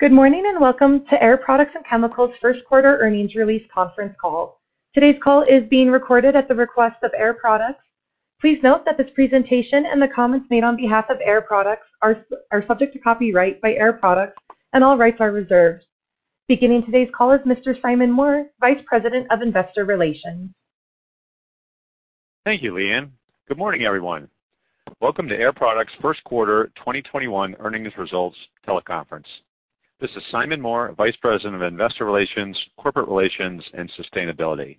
Good morning, welcome to Air Products and Chemicals first quarter earnings release conference call. Today's call is being recorded at the request of Air Products. Please note that this presentation and the comments made on behalf of Air Products are subject to copyright by Air Products, and all rights are reserved. Beginning today's call is Mr. Simon Moore, Vice President of Investor Relations. Thank you, Leanne. Good morning, everyone. Welcome to Air Products' first quarter 2021 earnings results teleconference. This is Simon Moore, Vice President of Investor Relations, Corporate Relations, and Sustainability.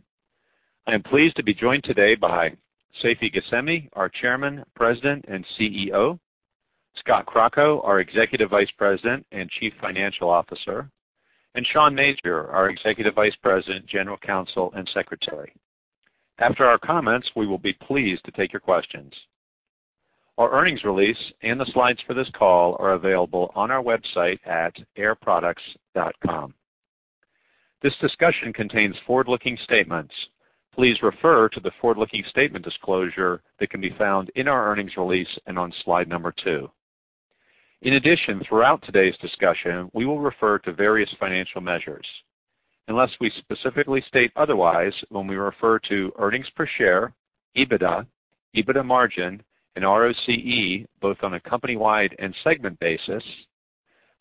I am pleased to be joined today by Seifi Ghasemi, our Chairman, President, and CEO, Scott Crocco, our Executive Vice President and Chief Financial Officer, and Sean Major, our Executive Vice President, General Counsel, and Secretary. After our comments, we will be pleased to take your questions. Our earnings release and the slides for this call are available on our website at airproducts.com. This discussion contains forward-looking statements. Please refer to the forward-looking statement disclosure that can be found in our earnings release and on slide number two. In addition, throughout today's discussion, we will refer to various financial measures. Unless we specifically state otherwise, when we refer to earnings per share, EBITDA margin, and ROCE, both on a company-wide and segment basis,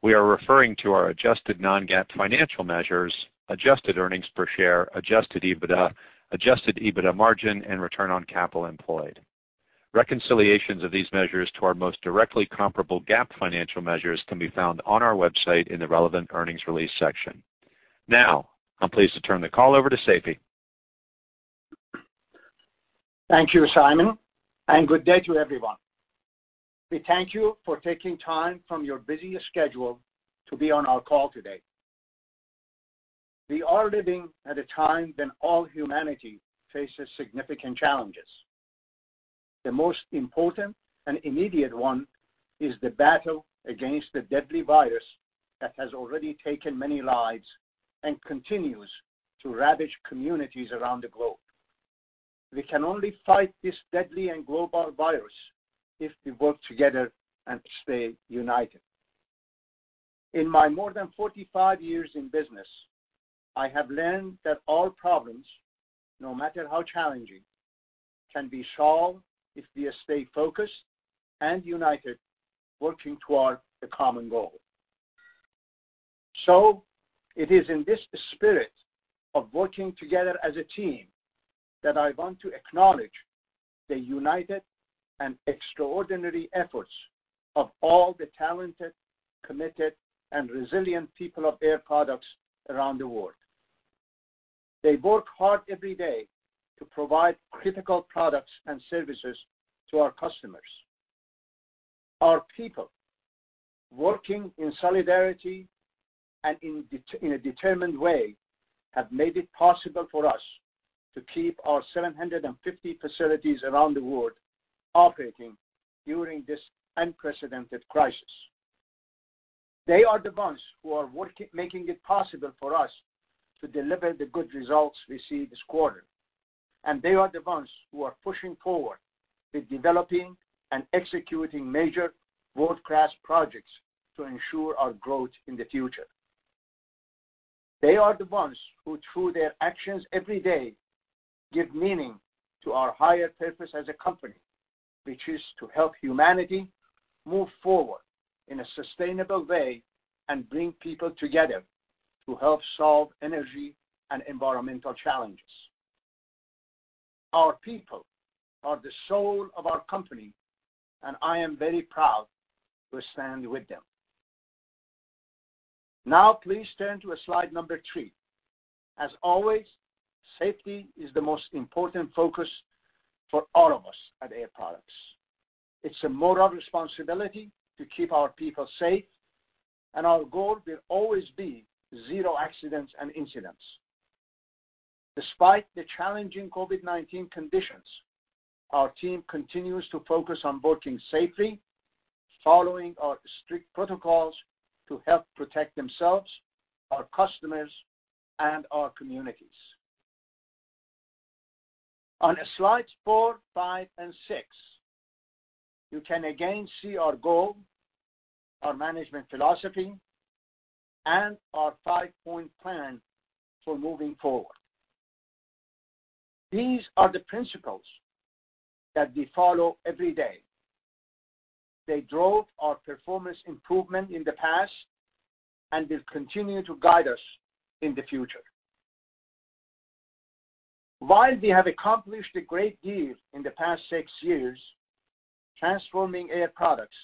we are referring to our adjusted non-GAAP financial measures, adjusted earnings per share, adjusted EBITDA, adjusted EBITDA margin, and return on capital employed. Reconciliations of these measures to our most directly comparable GAAP financial measures can be found on our website in the Relevant Earnings Release section. Now, I'm pleased to turn the call over to Seifi. Thank you, Simon, and good day to everyone. We thank you for taking time from your busy schedule to be on our call today. We are living at a time when all humanity faces significant challenges. The most important and immediate one is the battle against the deadly virus that has already taken many lives and continues to ravage communities around the globe. We can only fight this deadly and global virus if we work together and stay united. In my more than 45 years in business, I have learned that all problems, no matter how challenging, can be solved if we stay focused and united, working toward a common goal. It is in this spirit of working together as a team that I want to acknowledge the united and extraordinary efforts of all the talented, committed, and resilient people of Air Products around the world. They work hard every day to provide critical products and services to our customers. Our people, working in solidarity and in a determined way, have made it possible for us to keep our 750 facilities around the world operating during this unprecedented crisis. They are the ones who are making it possible for us to deliver the good results we see this quarter, and they are the ones who are pushing forward with developing and executing major world-class projects to ensure our growth in the future. They are the ones who, through their actions every day, give meaning to our higher purpose as a company, which is to help humanity move forward in a sustainable way and bring people together to help solve energy and environmental challenges. Our people are the soul of our company, and I am very proud to stand with them. Please turn to slide number three. As always, safety is the most important focus for all of us at Air Products. It's a moral responsibility to keep our people safe, and our goal will always be zero accidents and incidents. Despite the challenging COVID-19 conditions, our team continues to focus on working safely, following our strict protocols to help protect themselves, our customers, and our communities. On slides four, five, and six, you can again see our goal, our management philosophy, and our five-point plan for moving forward. These are the principles that we follow every day. They drove our performance improvement in the past and will continue to guide us in the future. While we have accomplished a great deal in the past six years transforming Air Products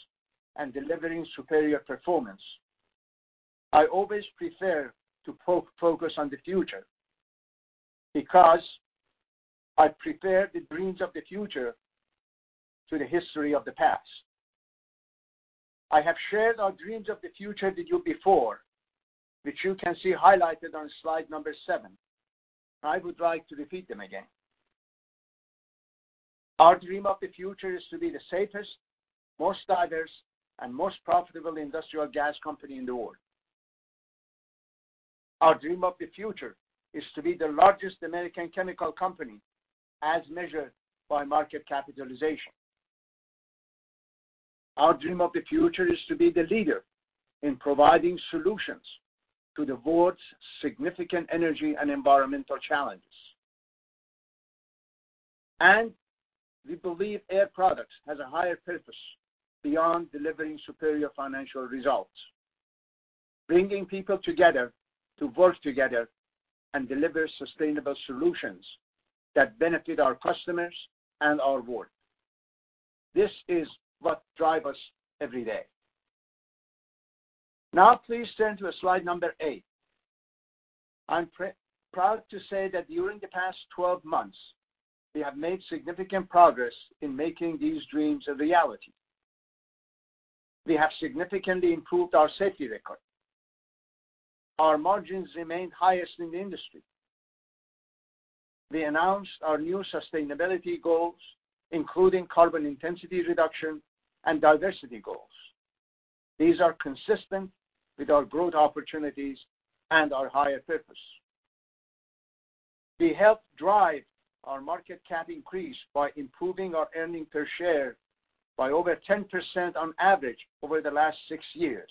and delivering superior performance, I always prefer to focus on the future because I prefer the dreams of the future to the history of the past. I have shared our dreams of the future with you before, which you can see highlighted on slide number seven. I would like to repeat them again. Our dream of the future is to be the safest, most diverse, and most profitable industrial gas company in the world. Our dream of the future is to be the largest American chemical company as measured by market capitalization. Our dream of the future is to be the leader in providing solutions to the world's significant energy and environmental challenges. We believe Air Products has a higher purpose beyond delivering superior financial results. Bringing people together to work together and deliver sustainable solutions that benefit our customers and our world. This is what drives us every day. Please turn to slide number eight. I'm proud to say that during the past 12 months, we have made significant progress in making these dreams a reality. We have significantly improved our safety record. Our margins remain highest in the industry. We announced our new sustainability goals, including carbon intensity reduction and diversity goals. These are consistent with our growth opportunities and our higher purpose. We helped drive our market cap increase by improving our earnings per share by over 10% on average over the last six years,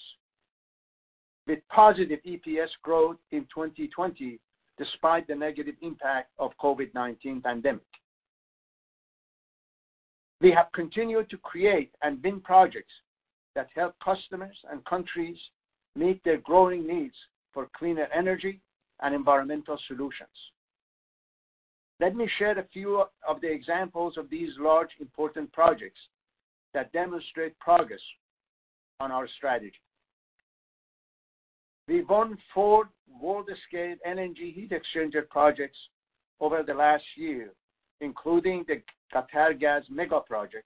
with positive EPS growth in 2020, despite the negative impact of COVID-19 pandemic. We have continued to create and win projects that help customers and countries meet their growing needs for cleaner energy and environmental solutions. Let me share a few of the examples of these large important projects that demonstrate progress on our strategy. We won four world-scale LNG heat exchanger projects over the last year, including the Qatargas megaproject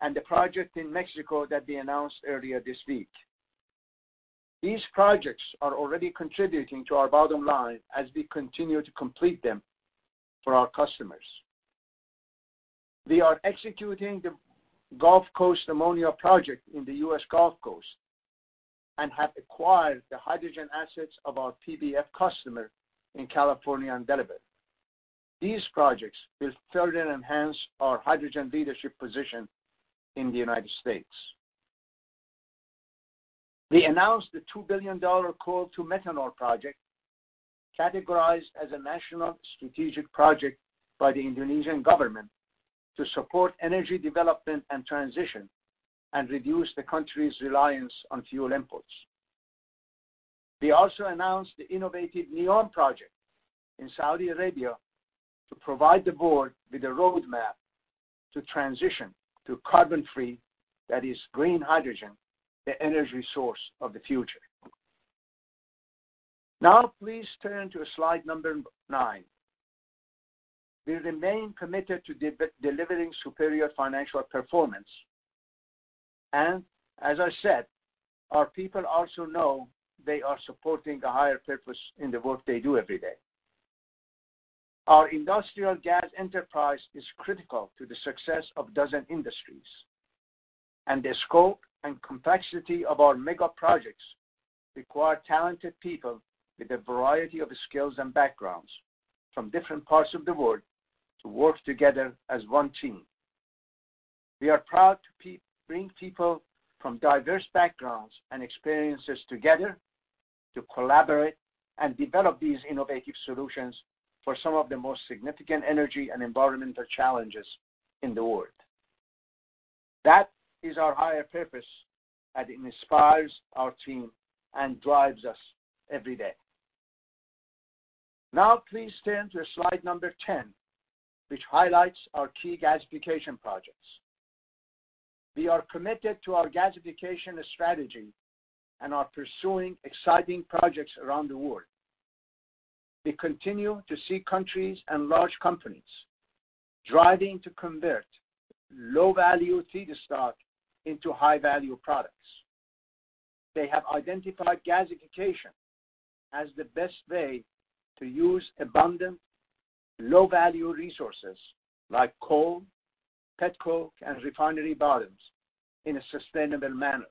and the project in Mexico that we announced earlier this week. These projects are already contributing to our bottom line as we continue to complete them for our customers. We are executing the Gulf Coast Ammonia project in the U.S. Gulf Coast and have acquired the hydrogen assets of our PBF customer in California and Delaware. These projects will further enhance our hydrogen leadership position in the United States. We announced the $2 billion coal-to-methanol project, categorized as a national strategic project by the Indonesian government to support energy development and transition and reduce the country's reliance on fuel imports. We also announced the innovative NEOM project in Saudi Arabia to provide the board with a roadmap to transition to carbon-free, that is, green hydrogen, the energy source of the future. Please turn to slide number nine. We remain committed to delivering superior financial performance. As I said, our people also know they are supporting a higher purpose in the work they do every day. Our industrial gas enterprise is critical to the success of dozen industries, and the scope and complexity of our mega projects require talented people with a variety of skills and backgrounds from different parts of the world to work together as one team. We are proud to bring people from diverse backgrounds and experiences together to collaborate and develop these innovative solutions for some of the most significant energy and environmental challenges in the world. That is our higher purpose, and it inspires our team and drives us every day. Now please turn to slide number 10, which highlights our key gasification projects. We are committed to our gasification strategy and are pursuing exciting projects around the world. We continue to see countries and large companies driving to convert low-value feedstock into high-value products. They have identified gasification as the best way to use abundant low-value resources like coal, petcoke, and refinery bottoms in a sustainable manner.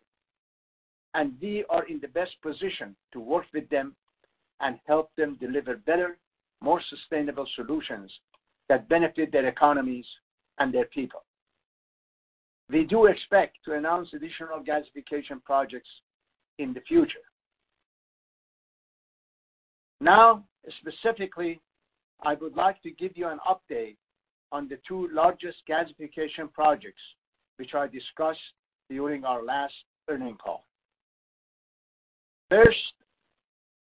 We are in the best position to work with them and help them deliver better, more sustainable solutions that benefit their economies and their people. We do expect to announce additional gasification projects in the future. Now, specifically, I would like to give you an update on the two largest gasification projects, which I discussed during our last earnings call. First,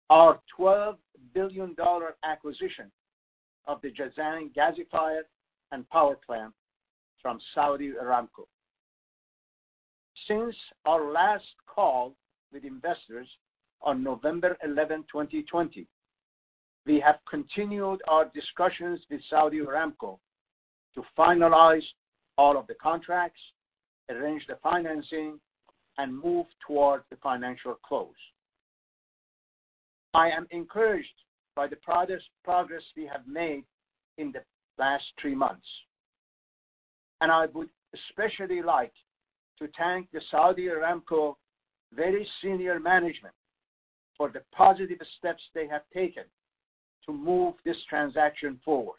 our $12 billion acquisition of the Jazan gasifier and power plant from Saudi Aramco. Since our last call with investors on November 11, 2020, we have continued our discussions with Saudi Aramco to finalize all of the contracts, arrange the financing, and move towards the financial close. I am encouraged by the progress we have made in the last three months. I would especially like to thank the Saudi Aramco very senior management for the positive steps they have taken to move this transaction forward.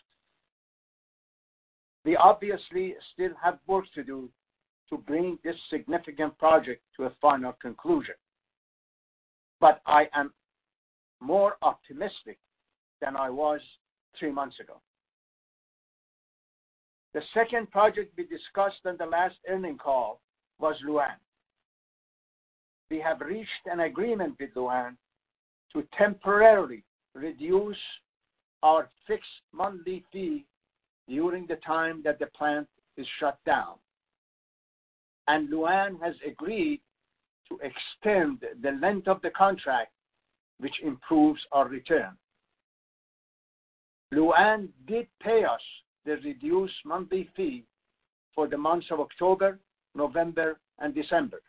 We obviously still have work to do to bring this significant project to a final conclusion. I am more optimistic than I was three months ago. The second project we discussed on the last earning call was Lu'An. We have reached an agreement with Lu'An to temporarily reduce our fixed monthly fee during the time that the plant is shut down. Lu'An has agreed to extend the length of the contract, which improves our return. Lu'An did pay us the reduced monthly fee for the months of October, November and December.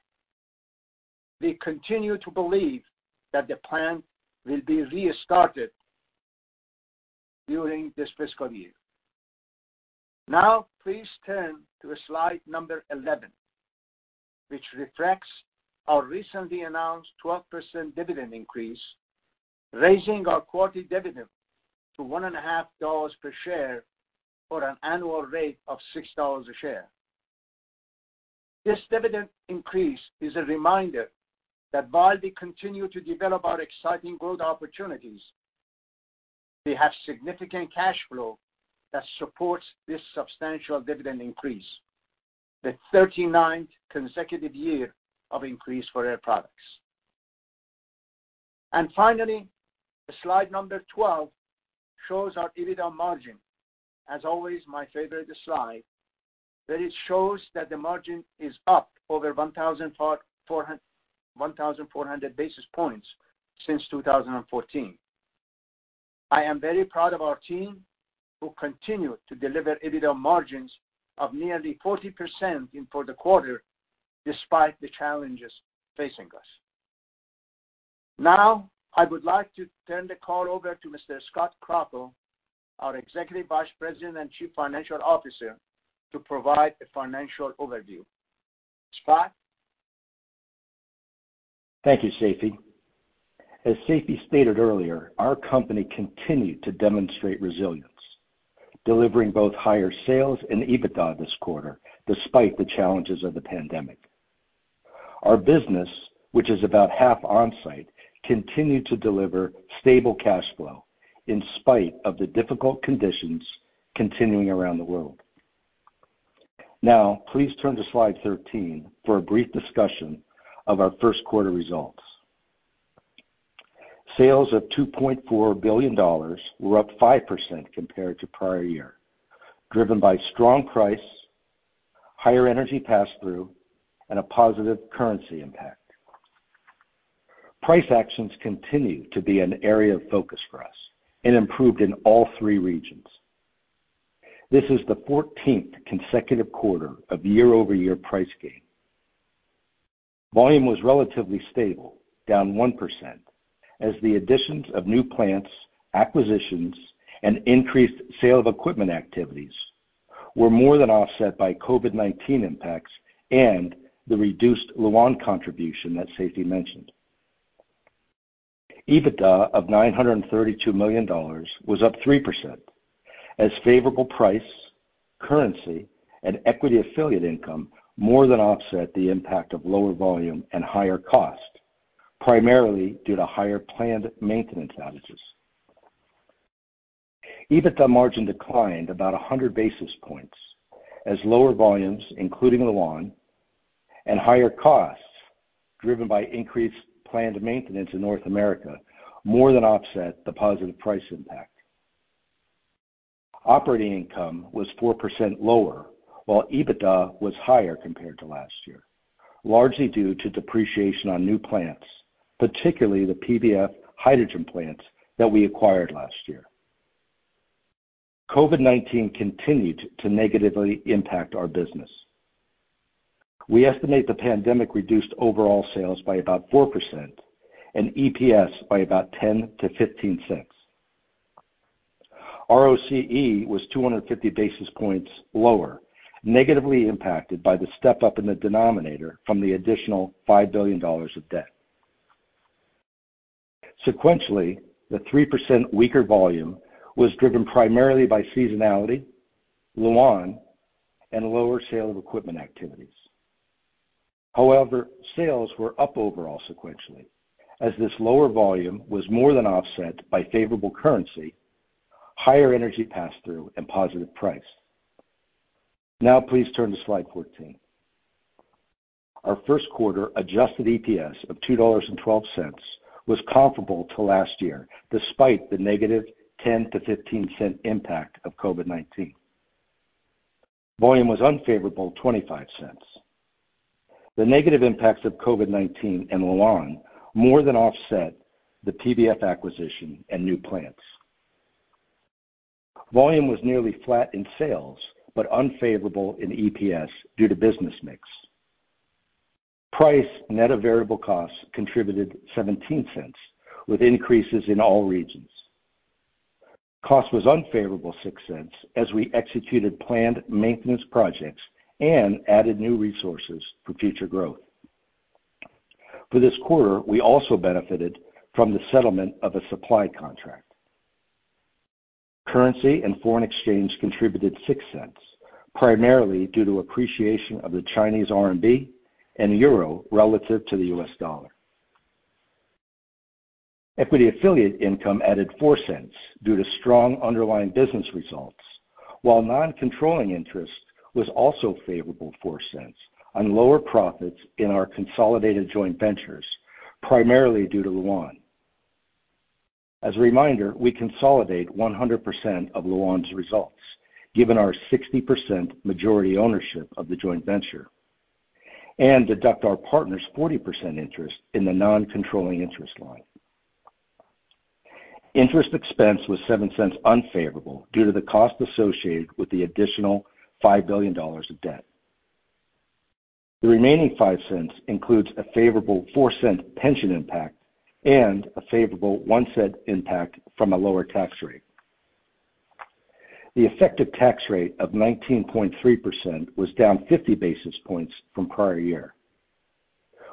We continue to believe that the plant will be restarted during this fiscal year. Now please turn to slide number 11, which reflects our recently announced 12% dividend increase, raising our quarterly dividend to $1.50 per share or an annual rate of $6 a share. This dividend increase is a reminder that while we continue to develop our exciting growth opportunities, we have significant cash flow that supports this substantial dividend increase, the 39th consecutive year of increase for Air Products. Finally, slide number 12 shows our EBITDA margin. As always my favorite slide, that it shows that the margin is up over 1,400 basis points since 2014. I am very proud of our team, who continue to deliver EBITDA margins of nearly 40% in for the quarter despite the challenges facing us. Now, I would like to turn the call over to Mr. Scott Crocco, our Executive Vice President and Chief Financial Officer to provide a financial overview. Scott? Thank you, Seifi. As Seifi stated earlier, our company continued to demonstrate resilience, delivering both higher sales and EBITDA this quarter, despite the challenges of the pandemic. Our business, which is about half on-site, continued to deliver stable cash flow in spite of the difficult conditions continuing around the world. Now, please turn to slide 13 for a brief discussion of our first quarter results. Sales of $2.4 billion were up 5% compared to prior year, driven by strong price, higher energy pass-through, and a positive currency impact. Price actions continue to be an area of focus for us and improved in all three regions. This is the 14th consecutive quarter of year-over-year price gain. Volume was relatively stable, down 1%, as the additions of new plants, acquisitions, and increased sale-of-equipment activities were more than offset by COVID-19 impacts and the reduced Lu'An contribution that Seifi mentioned. EBITDA of $932 million was up 3%, as favorable price, currency, and equity affiliate income more than offset the impact of lower volume and higher cost, primarily due to higher planned maintenance outages. EBITDA margin declined about 100 basis points as lower volumes, including Lu'An, and higher costs, driven by increased planned maintenance in North America, more than offset the positive price impact. Operating income was 4% lower, while EBITDA was higher compared to last year, largely due to depreciation on new plants, particularly the PBF hydrogen plants that we acquired last year. COVID-19 continued to negatively impact our business. We estimate the pandemic reduced overall sales by about 4% and EPS by about $0.10-$0.15. ROCE was 250 basis points lower, negatively impacted by the step-up in the denominator from the additional $5 billion of debt. Sequentially, the 3% weaker volume was driven primarily by seasonality, Lu'An, and lower sale-of-equipment activities. Sales were up overall sequentially as this lower volume was more than offset by favorable currency, higher energy pass-through, and positive price. Please turn to slide 14. Our first quarter adjusted EPS of $2.12 was comparable to last year, despite the negative $0.10-$0.15 impact of COVID-19. Volume was unfavorable $0.25. The negative impacts of COVID-19 and Lu'An more than offset the PBF acquisition and new plants. Volume was nearly flat in sales, but unfavorable in EPS due to business mix. Price net of variable costs contributed $0.17 with increases in all regions. Cost was unfavorable $0.06 as we executed planned maintenance projects and added new resources for future growth. For this quarter, we also benefited from the settlement of a supply contract. Currency and foreign exchange contributed $0.06, primarily due to appreciation of the Chinese RMB and euro relative to the U.S. dollar. Equity affiliate income added $0.04 due to strong underlying business results, while non-controlling interest was also favorable $0.04 on lower profits in our consolidated joint ventures, primarily due to Lu'An. As a reminder, we consolidate 100% of Lu'An's results, given our 60% majority ownership of the joint venture, and deduct our partner's 40% interest in the non-controlling interest line. Interest expense was $0.07 unfavorable due to the cost associated with the additional $5 billion of debt. The remaining $0.05 includes a favorable $0.04 pension impact and a favorable $0.01 impact from a lower tax rate. The effective tax rate of 19.3% was down 50 basis points from prior year.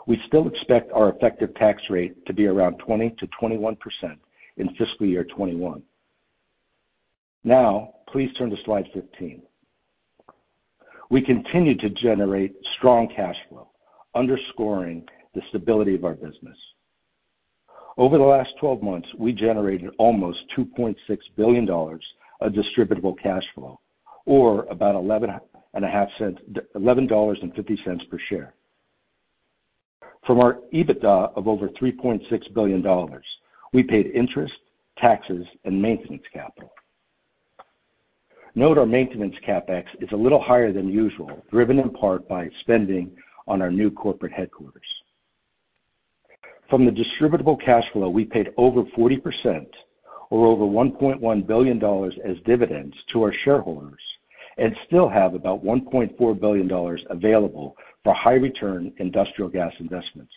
We still expect our effective tax rate to be around 20%-21% in fiscal year 2021. Please turn to slide 15. We continue to generate strong cash flow, underscoring the stability of our business. Over the last 12 months, we generated almost $2.6 billion of distributable cash flow, or about $11.50 per share. From our EBITDA of over $3.6 billion, we paid interest, taxes, and maintenance capital. Note, our maintenance CapEx is a little higher than usual, driven in part by spending on our new corporate headquarters. From the distributable cash flow, we paid over 40%, or over $1.1 billion as dividends to our shareholders and still have about $1.4 billion available for high-return industrial gas investments.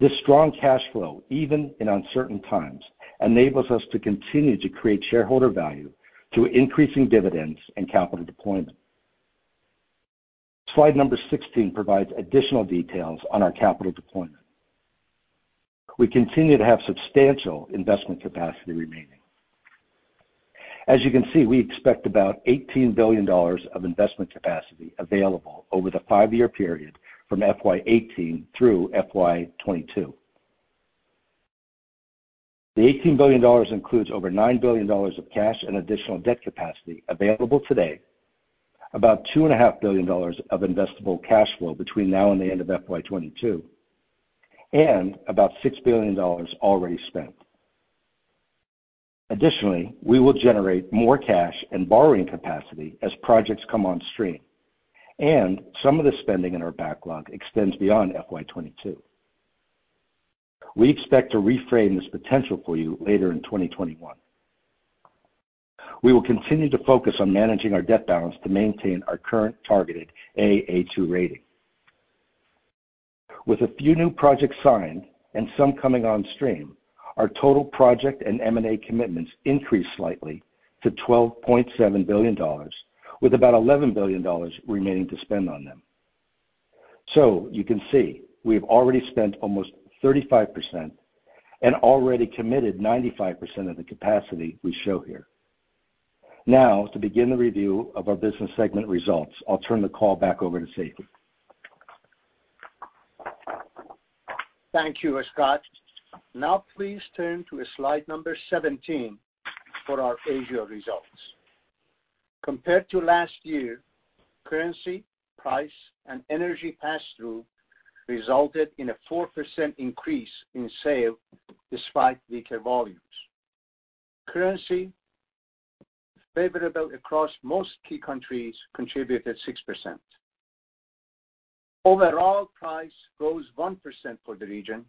This strong cash flow, even in uncertain times, enables us to continue to create shareholder value through increasing dividends and capital deployment. Slide number 16 provides additional details on our capital deployment. We continue to have substantial investment capacity remaining. As you can see, we expect about $18 billion of investment capacity available over the five-year period from FY 2018 through FY 2022. The $18 billion includes over $9 billion of cash and additional debt capacity available today, about $2.5 billion of investable cash flow between now and the end of FY 2022, and about $6 billion already spent. Additionally, we will generate more cash and borrowing capacity as projects come on stream, and some of the spending in our backlog extends beyond FY 2022. We expect to reframe this potential for you later in 2021. We will continue to focus on managing our debt balance to maintain our current targeted Aa2 rating. With a few new projects signed and some coming on stream, our total project and M&A commitments increased slightly to $12.7 billion, with about $11 billion remaining to spend on them. You can see we have already spent almost 35% and already committed 95% of the capacity we show here. To begin the review of our business segment results, I'll turn the call back over to Seifi. Thank you, Scott. Now please turn to slide number 17 for our Asia results. Compared to last year, currency, price, and energy pass-through resulted in a 4% increase in sale despite weaker volumes. Currency favorable across most key countries contributed 6%. Overall price rose 1% for the region,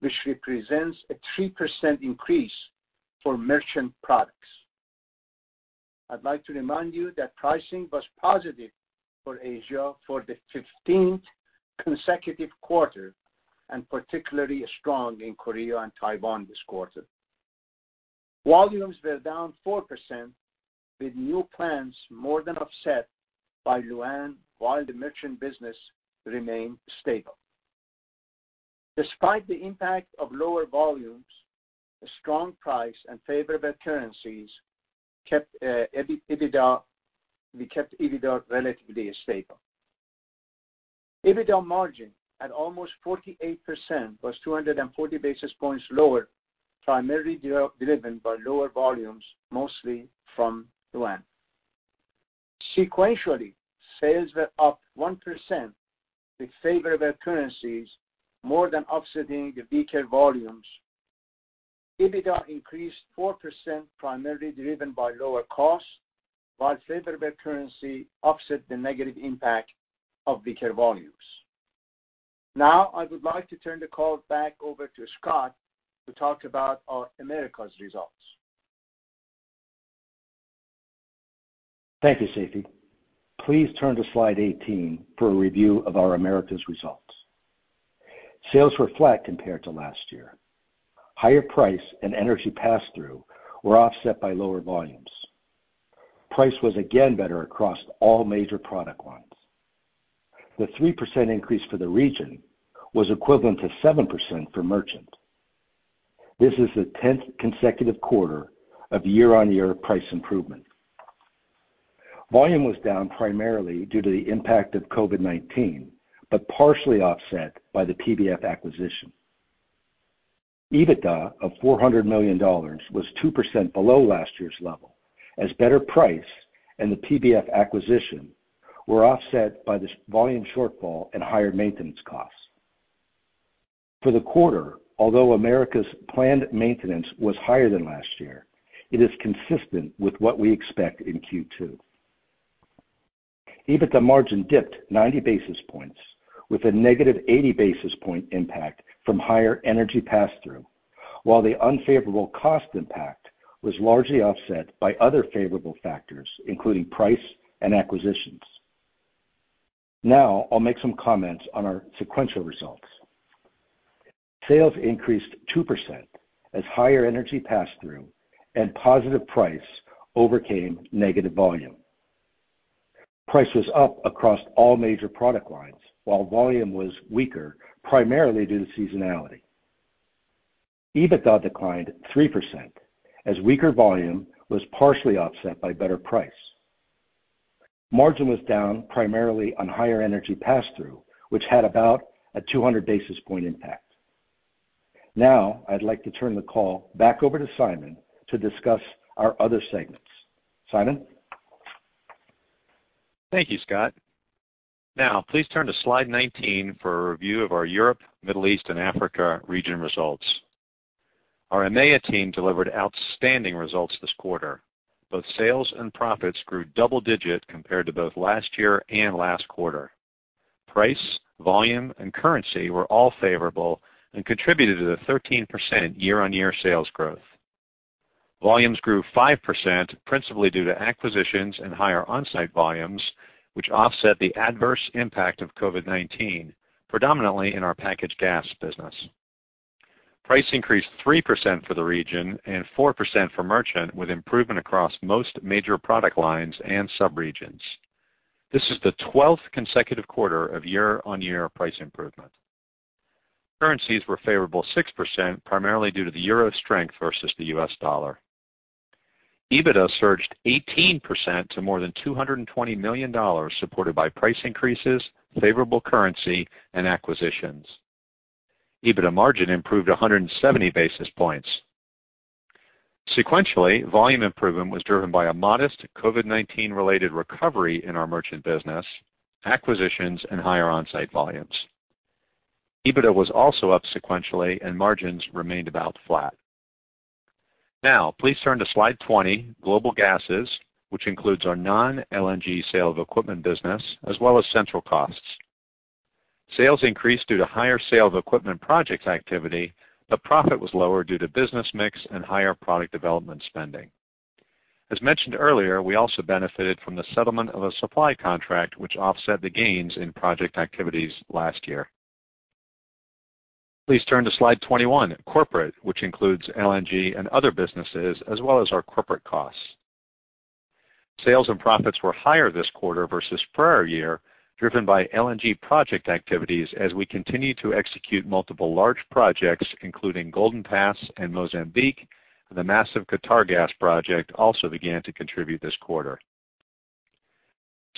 which represents a 3% increase for merchant products. I'd like to remind you that pricing was positive for Asia for the 15th consecutive quarter, and particularly strong in Korea and Taiwan this quarter. Volumes were down 4%, with new plants more than offset by Lu'An, while the merchant business remained stable. Despite the impact of lower volumes, the strong price and favorable currencies kept EBITDA relatively stable. EBITDA margin at almost 48% was 240 basis points lower, primarily driven by lower volumes, mostly from Lu'An. Sequentially, sales were up 1%, with favorable currencies more than offsetting the weaker volumes. EBITDA increased 4%, primarily driven by lower costs, while favorable currency offset the negative impact of weaker volumes. Now, I would like to turn the call back over to Scott to talk about our Americas results. Thank you, Seifi. Please turn to slide 18 for a review of our Americas results. Sales were flat compared to last year. Higher price and energy pass-through were offset by lower volumes. Price was again better across all major product lines. The 3% increase for the region was equivalent to 7% for merchant. This is the 10th consecutive quarter of year-on-year price improvement. Volume was down primarily due to the impact of COVID-19, but partially offset by the PBF acquisition. EBITDA of $400 million was 2% below last year's level, as better price and the PBF acquisition were offset by this volume shortfall and higher maintenance costs. For the quarter, although Americas' planned maintenance was higher than last year, it is consistent with what we expect in Q2. EBITDA margin dipped 90 basis points with a negative 80 basis point impact from higher energy pass-through, while the unfavorable cost impact was largely offset by other favorable factors, including price and acquisitions. I'll make some comments on our sequential results. Sales increased 2% as higher energy pass-through and positive price overcame negative volume. Price was up across all major product lines while volume was weaker, primarily due to seasonality. EBITDA declined 3% as weaker volume was partially offset by better price. Margin was down primarily on higher energy pass-through, which had about a 200 basis point impact. I'd like to turn the call back over to Simon to discuss our other segments. Simon? Thank you, Scott. Now, please turn to slide 19 for a review of our Europe, Middle East, and Africa region results. Our EMEA team delivered outstanding results this quarter. Both sales and profits grew double-digit compared to both last year and last quarter. Price, volume, and currency were all favorable and contributed to the 13% year-over-year sales growth. Volumes grew 5%, principally due to acquisitions and higher onsite volumes, which offset the adverse impact of COVID-19, predominantly in our packaged gas business. Price increased 3% for the region and 4% for merchant, with improvement across most major product lines and sub-regions. This is the 12th consecutive quarter of year-over-year price improvement. Currencies were favorable 6%, primarily due to the EUR strength versus the U.S. Dollar. EBITDA surged 18% to more than $220 million, supported by price increases, favorable currency, and acquisitions. EBITDA margin improved 170 basis points. Sequentially, volume improvement was driven by a modest COVID-19 related recovery in our merchant business, acquisitions, and higher onsite volumes. EBITDA was also up sequentially and margins remained about flat. Please turn to slide 20, global gases, which includes our non-LNG sale-of-equipment business as well as central costs. Sales increased due to higher sale-of-equipment projects activity, profit was lower due to business mix and higher product development spending. As mentioned earlier, we also benefited from the settlement of a supply contract, which offset the gains in project activities last year. Please turn to slide 21, corporate, which includes LNG and other businesses, as well as our corporate costs. Sales and profits were higher this quarter versus prior year, driven by LNG project activities as we continue to execute multiple large projects including Golden Pass and Mozambique. The massive Qatargas project also began to contribute this quarter.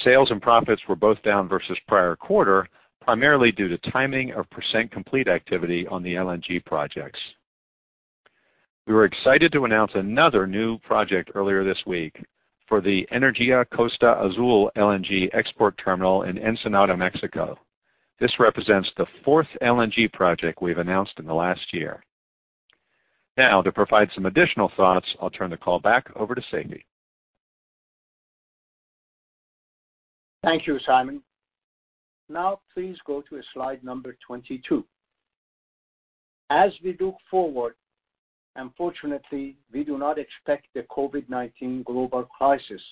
Sales and profits were both down versus prior quarter, primarily due to timing of percent-complete activity on the LNG projects. We were excited to announce another new project earlier this week for the Energía Costa Azul LNG export terminal in Ensenada, Mexico. This represents the fourth LNG project we've announced in the last year. Now, to provide some additional thoughts, I'll turn the call back over to Seifi. Thank you, Simon. Please go to slide number 22. As we look forward, unfortunately, we do not expect the COVID-19 global crisis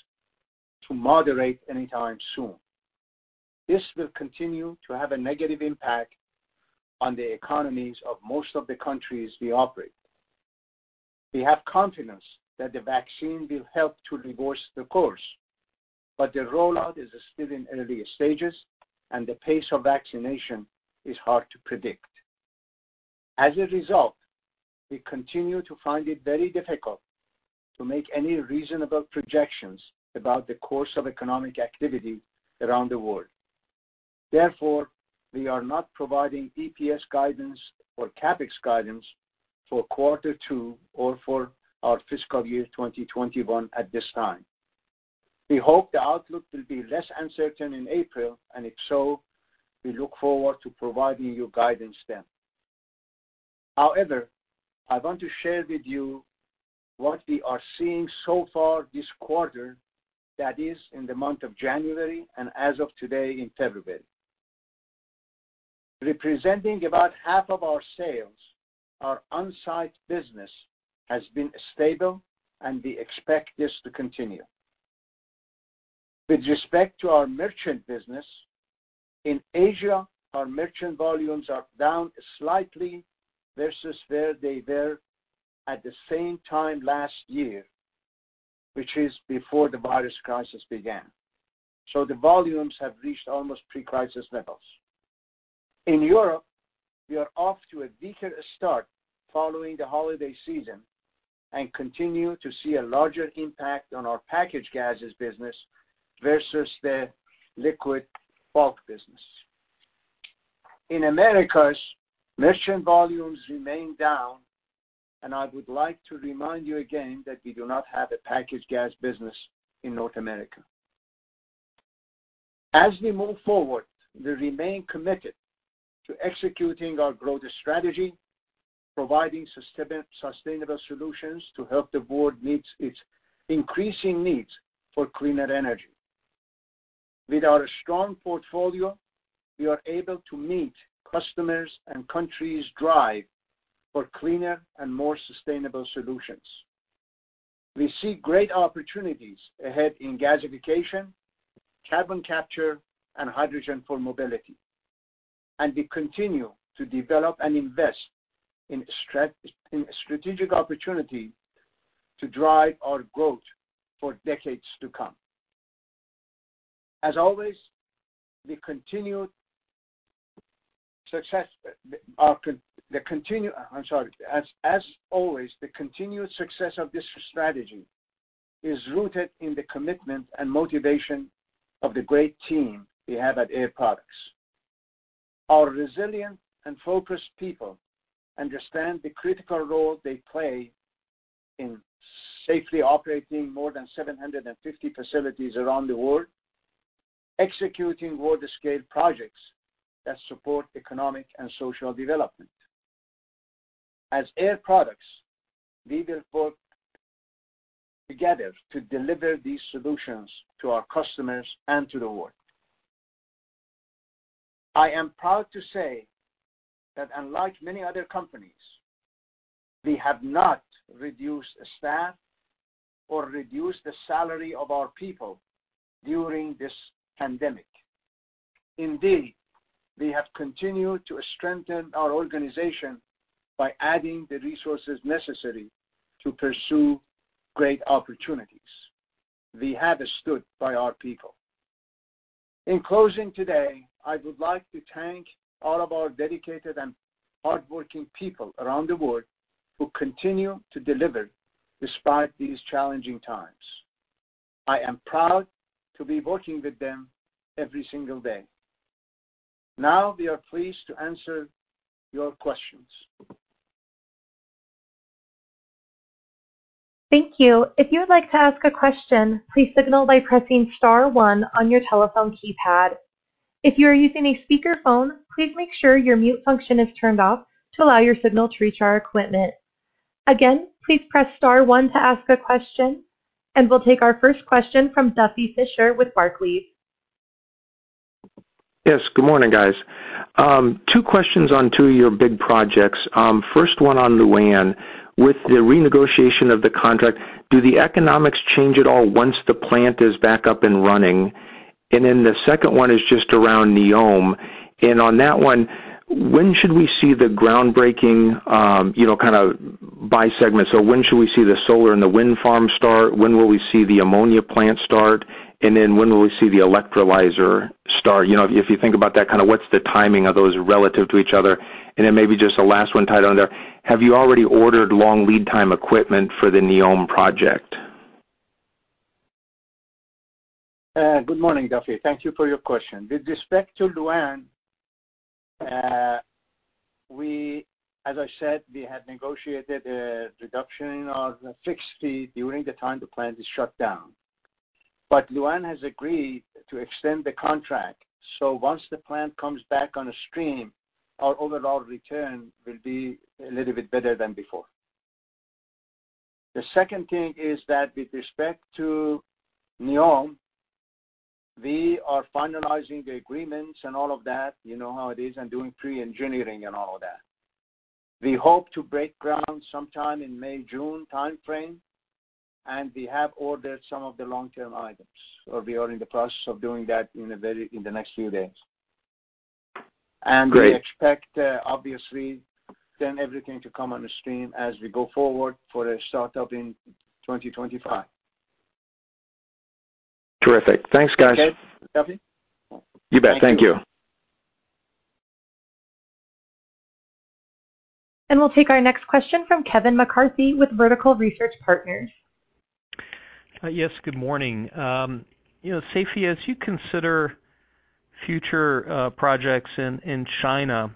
to moderate anytime soon. This will continue to have a negative impact on the economies of most of the countries we operate. We have confidence that the vaccine will help to reverse the course, but the rollout is still in early stages and the pace of vaccination is hard to predict. As a result, we continue to find it very difficult to make any reasonable projections about the course of economic activity around the world. Therefore, we are not providing EPS guidance or CapEx guidance for quarter two or for our fiscal year 2021 at this time. We hope the outlook will be less uncertain in April, and if so, we look forward to providing you guidance then. However, I want to share with you what we are seeing so far this quarter, that is, in the month of January and as of today in February. Representing about half of our sales, our on-site business has been stable, and we expect this to continue. With respect to our merchant business, in Asia, our merchant volumes are down slightly versus where they were at the same time last year, which is before the virus crisis began. The volumes have reached almost pre-crisis levels. In Europe, we are off to a weaker start following the holiday season and continue to see a larger impact on our packaged gases business versus the liquid bulk business. In Americas, merchant volumes remain down, and I would like to remind you again that we do not have a packaged gas business in North America. As we move forward, we remain committed to executing our growth strategy, providing sustainable solutions to help the world meet its increasing needs for cleaner energy. With our strong portfolio, we are able to meet customers' and countries' drive for cleaner and more sustainable solutions. We see great opportunities ahead in gasification, carbon capture, and hydrogen for mobility, and we continue to develop and invest in strategic opportunities to drive our growth for decades to come. As always, the continued success of this strategy is rooted in the commitment and motivation of the great team we have at Air Products. Our resilient and focused people understand the critical role they play in safely operating more than 750 facilities around the world, executing world-scale projects that support economic and social development. As Air Products, we will work together to deliver these solutions to our customers and to the world. I am proud to say that unlike many other companies, we have not reduced staff or reduced the salary of our people during this pandemic. Indeed, we have continued to strengthen our organization by adding the resources necessary to pursue great opportunities. We have stood by our people. In closing today, I would like to thank all of our dedicated and hardworking people around the world who continue to deliver despite these challenging times. I am proud to be working with them every single day. Now, we are pleased to answer your questions. Thank you. If you would like to ask a question, please signal by pressing star one on your telephone keypad. If you are using a speakerphone, please make sure your mute function is turned off to allow your signal to reach our equipment. Again, please press star one to ask a question, we'll take our first question from Duffy Fischer with Barclays. Yes. Good morning, guys. Two questions on two of your big projects. First one on Lu'An. With the renegotiation of the contract, do the economics change at all once the plant is back up and running? The second one is just around NEOM. On that one, when should we see the groundbreaking by segment? When should we see the solar and the wind farm start? When will we see the ammonia plant start? When will we see the electrolyzer start? If you think about that, what's the timing of those relative to each other? Maybe just the last one tied on there, have you already ordered long lead time equipment for the NEOM project? Good morning, Duffy. Thank you for your question. With respect to Lu'An, as I said, we have negotiated a reduction of the fixed fee during the time the plant is shut down. Lu'An has agreed to extend the contract, so once the plant comes back onstream, our overall return will be a little bit better than before. The second thing is that with respect to NEOM, we are finalizing the agreements and all of that, you know how it is, and doing pre-engineering and all of that. We hope to break ground sometime in May, June timeframe, and we have ordered some of the long-term items, or we are in the process of doing that in the next few days. Great. We expect, obviously, then everything to come on the stream as we go forward for a startup in 2025. Terrific. Thanks, guys. Okay, Duffy. You bet. Thank you. We'll take our next question from Kevin McCarthy with Vertical Research Partners. Yes, good morning. Seifi, as you consider future projects in China,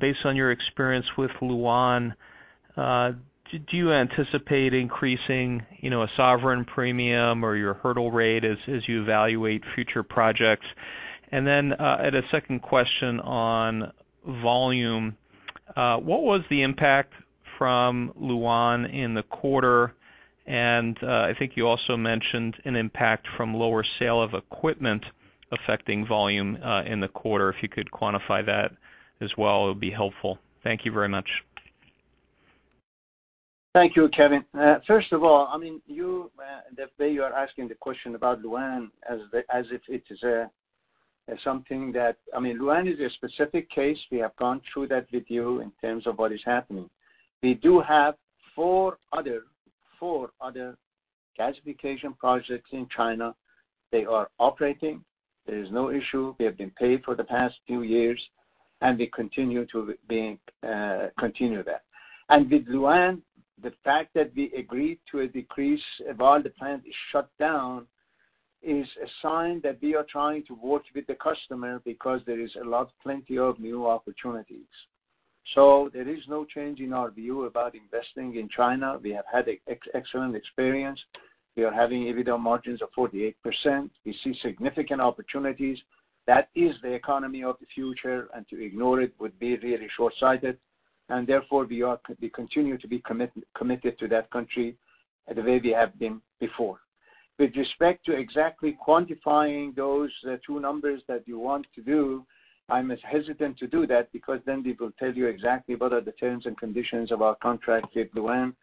based on your experience with Lu'An, do you anticipate increasing a sovereign premium or your hurdle rate as you evaluate future projects? What was the impact from Lu'An in the quarter? I think you also mentioned an impact from lower sale-of-equipment affecting volume, in the quarter. If you could quantify that as well, it would be helpful. Thank you very much. Thank you, Kevin. First of all, the way you are asking the question about Lu'An as if it is something. Lu'An is a specific case. We have gone through that with you in terms of what is happening. We do have four other gasification projects in China. They are operating. There is no issue. We have been paid for the past few years, and we continue to do that. With Lu'An, the fact that we agreed to a decrease while the plant is shut down is a sign that we are trying to work with the customer because there is plenty of new opportunities. There is no change in our view about investing in China. We have had an excellent experience. We are having EBITDA margins of 48%. We see significant opportunities. That is the economy of the future, and to ignore it would be really shortsighted, and therefore we continue to be committed to that country the way we have been before. With respect to exactly quantifying those two numbers that you want to do, I'm hesitant to do that because then we will tell you exactly what are the terms and conditions of our contract with Lu'An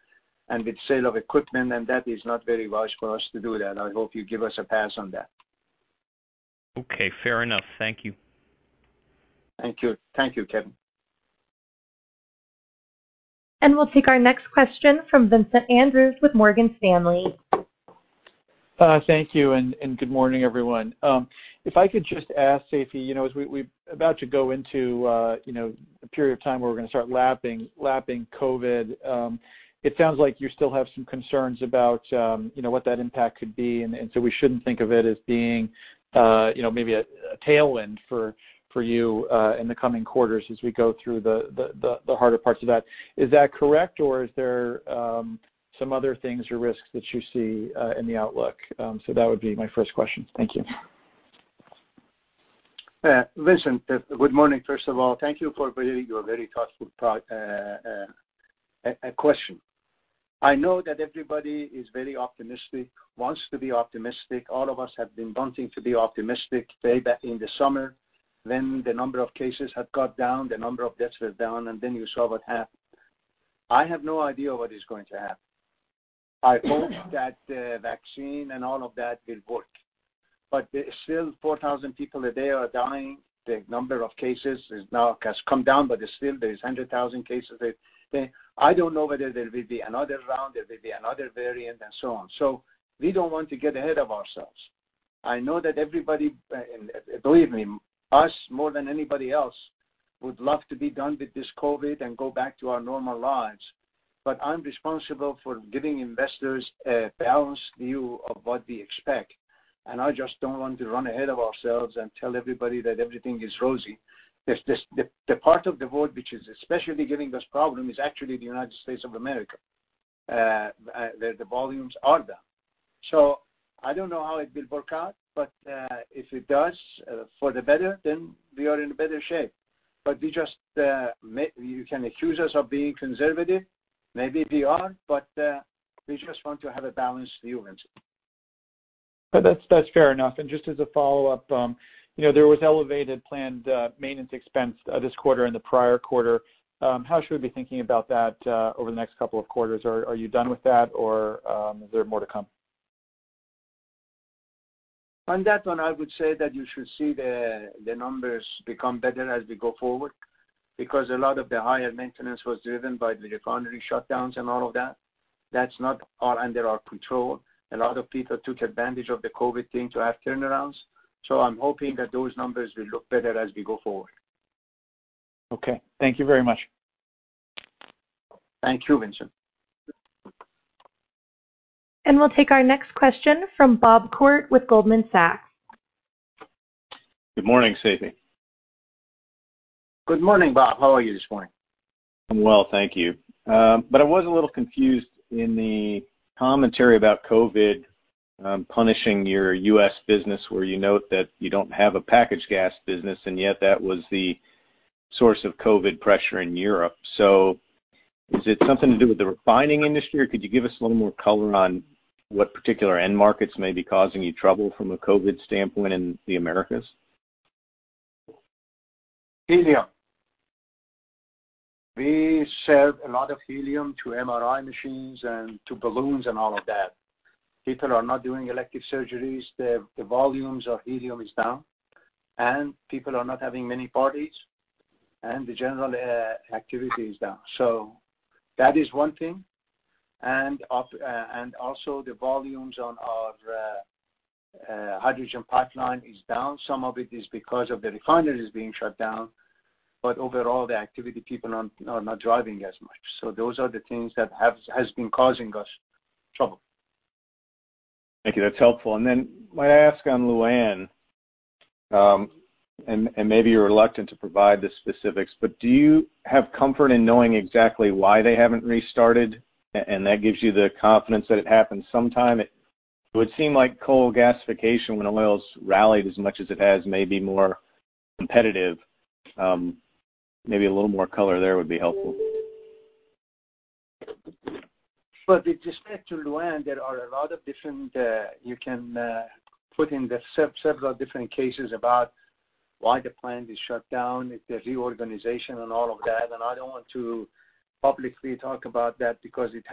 and with sale-of-equipment, and that is not very wise for us to do that. I hope you give us a pass on that. Okay, fair enough. Thank you. Thank you, Kevin. We'll take our next question from Vincent Andrews with Morgan Stanley. Thank you. Good morning, everyone. If I could just ask, Seifi, as we're about to go into a period of time where we're going to start lapping COVID, it sounds like you still have some concerns about what that impact could be, and so we shouldn't think of it as being maybe a tailwind for you in the coming quarters as we go through the harder parts of that. Is that correct, or is there some other things or risks that you see in the outlook? That would be my first question. Thank you. Vincent, good morning. First of all, thank you for bringing your very thoughtful question. I know that everybody is very optimistic, wants to be optimistic. All of us have been wanting to be optimistic way back in the summer when the number of cases had got down, the number of deaths were down, and then you saw what happened. I have no idea what is going to happen. I hope that the vaccine and all of that will work. Still, 4,000 people a day are dying. The number of cases has come down, but still, there is 100,000 cases a day. I don't know whether there will be another round, there may be another variant, and so on. We don't want to get ahead of ourselves. I know that everybody, believe me, us more than anybody else, would love to be done with this COVID-19 and go back to our normal lives, I'm responsible for giving investors a balanced view of what we expect, and I just don't want to run ahead of ourselves and tell everybody that everything is rosy. The part of the world which is especially giving us problem is actually the United States of America, where the volumes are down. I don't know how it will work out, if it does for the better, then we are in a better shape. You can accuse us of being conservative. Maybe we are, we just want to have a balanced view, Vincent. That's fair enough. Just as a follow-up, there was elevated planned maintenance expense this quarter and the prior quarter. How should we be thinking about that over the next couple of quarters? Are you done with that, or is there more to come? On that one, I would say that you should see the numbers become better as we go forward because a lot of the higher maintenance was driven by the refinery shutdowns and all of that. That's not all under our control. A lot of people took advantage of the COVID thing to have turnarounds, so I'm hoping that those numbers will look better as we go forward. Okay. Thank you very much. Thank you, Vincent. We'll take our next question from Bob Koort with Goldman Sachs. Good morning, Seifi. Good morning, Bob. How are you this morning? I'm well, thank you. I was a little confused in the commentary about COVID punishing your U.S. business where you note that you don't have a packaged gas business, and yet that was the source of COVID pressure in Europe. Is it something to do with the refining industry, or could you give us a little more color on what particular end markets may be causing you trouble from a COVID standpoint in the Americas? Helium. We sell a lot of helium to MRI machines and to balloons and all of that. People are not doing elective surgeries. The volumes of helium is down, and people are not having many parties, and the general activity is down. That is one thing. Also the volumes on our hydrogen pipeline is down. Some of it is because of the refineries being shut down, but overall, the activity, people are not driving as much. Those are the things that has been causing us trouble. Thank you. That's helpful. Might I ask on Lu'An, and maybe you're reluctant to provide the specifics, but do you have comfort in knowing exactly why they haven't restarted, and that gives you the confidence that it happens sometime? It would seem like coal gasification, when oil's rallied as much as it has, may be more competitive. Maybe a little more color there would be helpful. With respect to Lu'An, there are a lot of different, you can put in the several different cases about why the plant is shut down, the reorganization and all of that. I don't want to publicly talk about that because it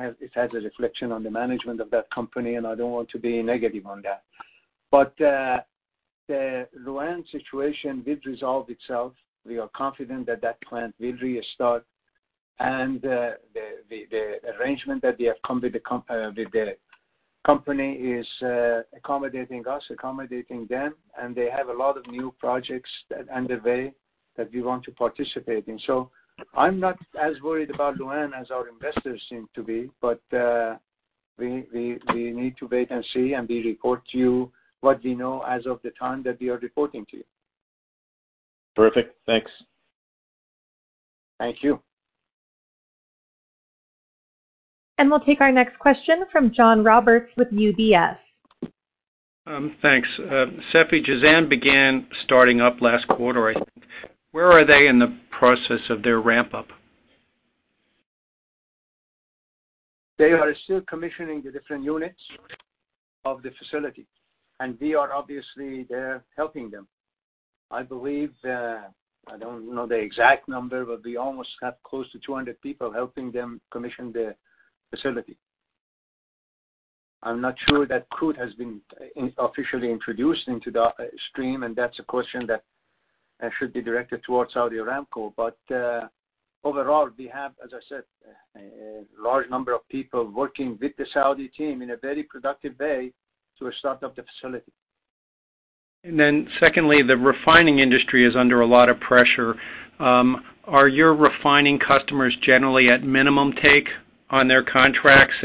has a reflection on the management of that company, and I don't want to be negative on that. The Lu'An situation did resolve itself. We are confident that that plant will restart. The arrangement that we have come with the company is accommodating us, accommodating them, and they have a lot of new projects underway that we want to participate in. I'm not as worried about Lu'An as our investors seem to be. We need to wait and see, and we report to you what we know as of the time that we are reporting to you. Perfect. Thanks. Thank you. We'll take our next question from John Roberts with UBS. Thanks. Seifi, Jazan began starting up last quarter, I think. Where are they in the process of their ramp-up? They are still commissioning the different units of the facility. We are obviously there helping them. I believe, I don't know the exact number. We almost have close to 200 people helping them commission the facility. I'm not sure that crude has been officially introduced into the stream. That's a question that should be directed towards Saudi Aramco. Overall, we have, as I said, a large number of people working with the Saudi team in a very productive way to start up the facility. Secondly, the refining industry is under a lot of pressure. Are your refining customers generally at minimum take on their contracts?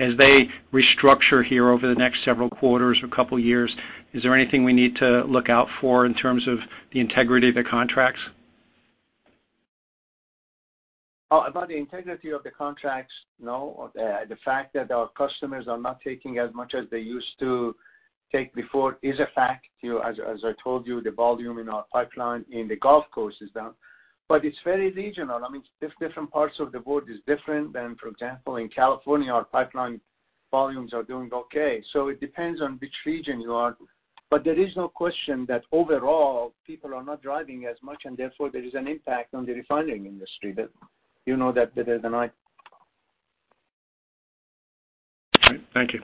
As they restructure here over the next several quarters or couple years, is there anything we need to look out for in terms of the integrity of the contracts? About the integrity of the contracts, no. The fact that our customers are not taking as much as they used to take before is a fact. As I told you, the volume in our pipeline in the Gulf Coast is down. It's very regional. Different parts of the world is different than, for example, in California, our pipeline volumes are doing okay. It depends on which region you are. There is no question that overall, people are not driving as much, and therefore, there is an impact on the refining industry. You know that better than I. All right. Thank you.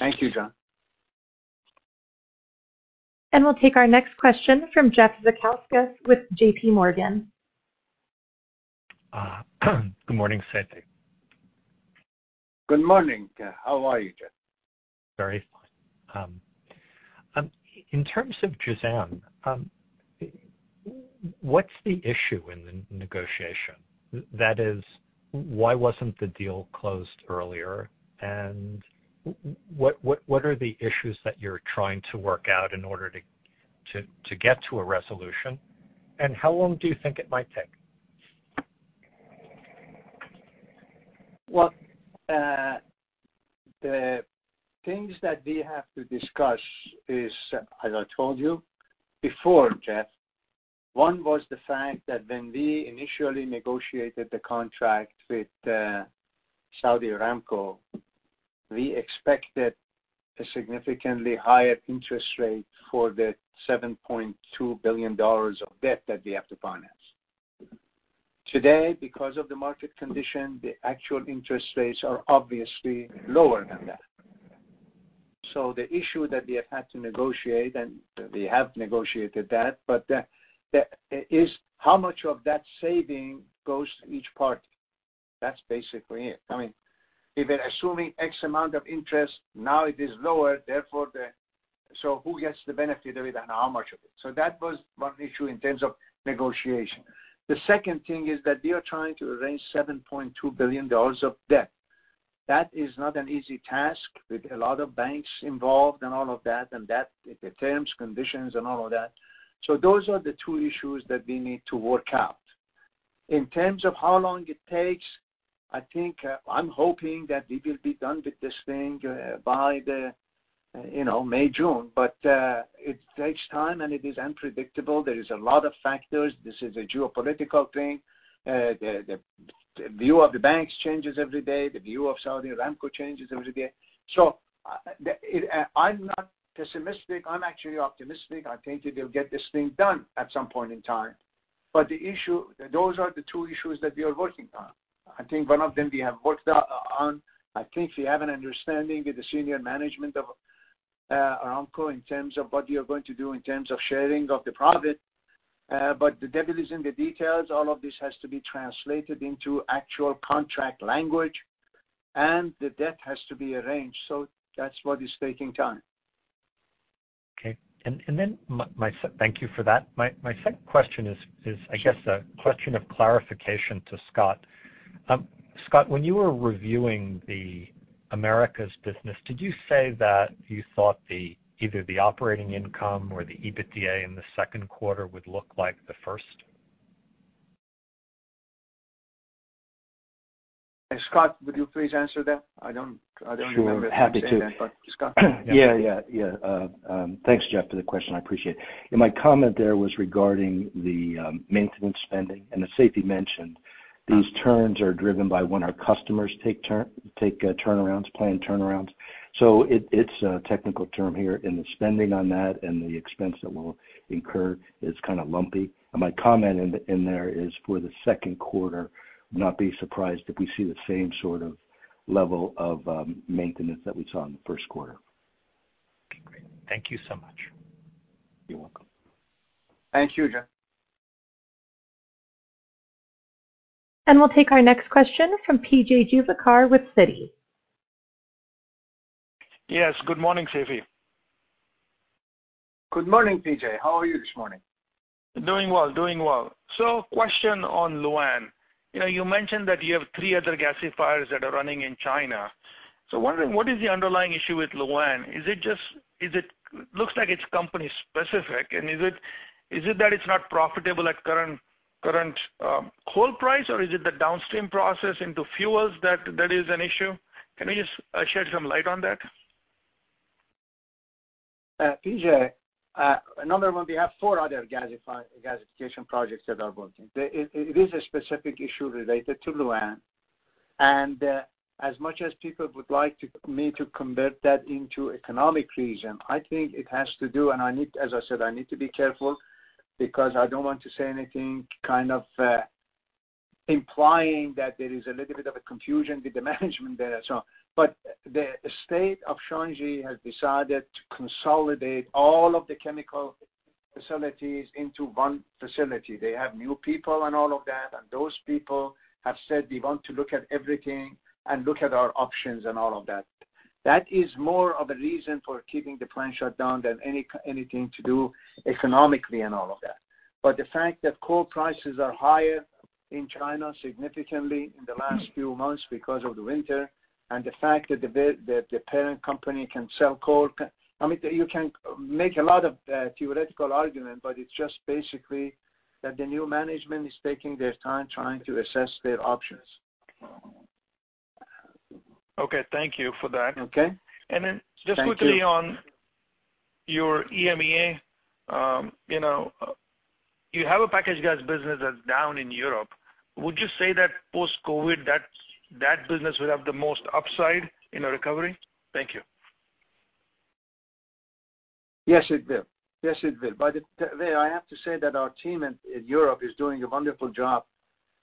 Thank you, John. We'll take our next question from Jeff Zekauskas with JPMorgan. Good morning, Seifi. Good morning. How are you, Jeff? Very fine. In terms of Jazan, what's the issue in the negotiation? That is, why wasn't the deal closed earlier, and what are the issues that you're trying to work out in order to get to a resolution? How long do you think it might take? Well, the things that we have to discuss is, as I told you before, Jeff, one was the fact that when we initially negotiated the contract with Saudi Aramco, we expected a significantly higher interest rate for the $7.2 billion of debt that we have to finance. Today, because of the market condition, the actual interest rates are obviously lower than that. The issue that we have had to negotiate, and we have negotiated that, but is how much of that saving goes to each party? That's basically it. If we're assuming X amount of interest, now it is lower, so who gets to benefit with and how much of it? That was one issue in terms of negotiation. The second thing is that we are trying to arrange $7.2 billion of debt. That is not an easy task with a lot of banks involved and all of that, and the terms, conditions, and all of that. Those are the two issues that we need to work out. In terms of how long it takes, I'm hoping that we will be done with this thing by May, June. It takes time, and it is unpredictable. There is a lot of factors. This is a geopolitical thing. The view of the banks changes every day. The view of Saudi Aramco changes every day. I'm not pessimistic. I'm actually optimistic. I think we will get this thing done at some point in time. Those are the two issues that we are working on. I think one of them we have worked on. I think we have an understanding with the senior management of Aramco in terms of what we are going to do in terms of sharing of the profit. The devil is in the details. All of this has to be translated into actual contract language, and the debt has to be arranged. That's what is taking time. Okay. Thank you for that. My second question is, I guess, a question of clarification to Scott. Scott, when you were reviewing the Americas business, did you say that you thought either the operating income or the EBITDA in the second quarter would look like the first? Scott, would you please answer that? I don't remember. Sure. Happy to. Scott. Yeah. Thanks, Jeff, for the question, I appreciate it. My comment there was regarding the maintenance spending, and as Seifi mentioned, these turns are driven by when our customers take planned turnarounds. It's a technical term here, and the spending on that and the expense that we'll incur is kind of lumpy. My comment in there is for the second quarter, I would not be surprised if we see the same sort of level of maintenance that we saw in the first quarter. Okay, great. Thank you so much. You're welcome. Thank you, Jeff. We'll take our next question from P.J. Juvekar with Citi. Yes. Good morning, Seifi. Good morning, P.J. How are you this morning? Question on Lu'An. You mentioned that you have three other gasifiers that are running in China. Wondering, what is the underlying issue with Lu'An? It looks like it's company-specific. Is it that it's not profitable at current coal price, or is it the downstream process into fuels that is an issue? Can you just shed some light on that? P.J., remember we have four other gasification projects that are working. It is a specific issue related to Lu'An, as much as people would like me to convert that into economic reason, I think it has to do, and as I said, I need to be careful because I don't want to say anything kind of implying that there is a little bit of a confusion with the management there. The state of Shaanxi has decided to consolidate all of the chemical facilities into one facility. They have new people and all of that, those people have said they want to look at everything and look at our options and all of that. That is more of a reason for keeping the plant shut down than anything to do economically and all of that. The fact that coal prices are higher in China significantly in the last few months because of the winter, and the fact that the parent company can sell coal. You can make a lot of theoretical argument, but it's just basically that the new management is taking their time trying to assess their options. Okay. Thank you for that. Okay. And then- Thank you. just quickly on your EMEA. You have a packaged gas business that's down in Europe. Would you say that post-COVID, that business will have the most upside in a recovery? Thank you. Yes, it will. By the way, I have to say that our team in Europe is doing a wonderful job.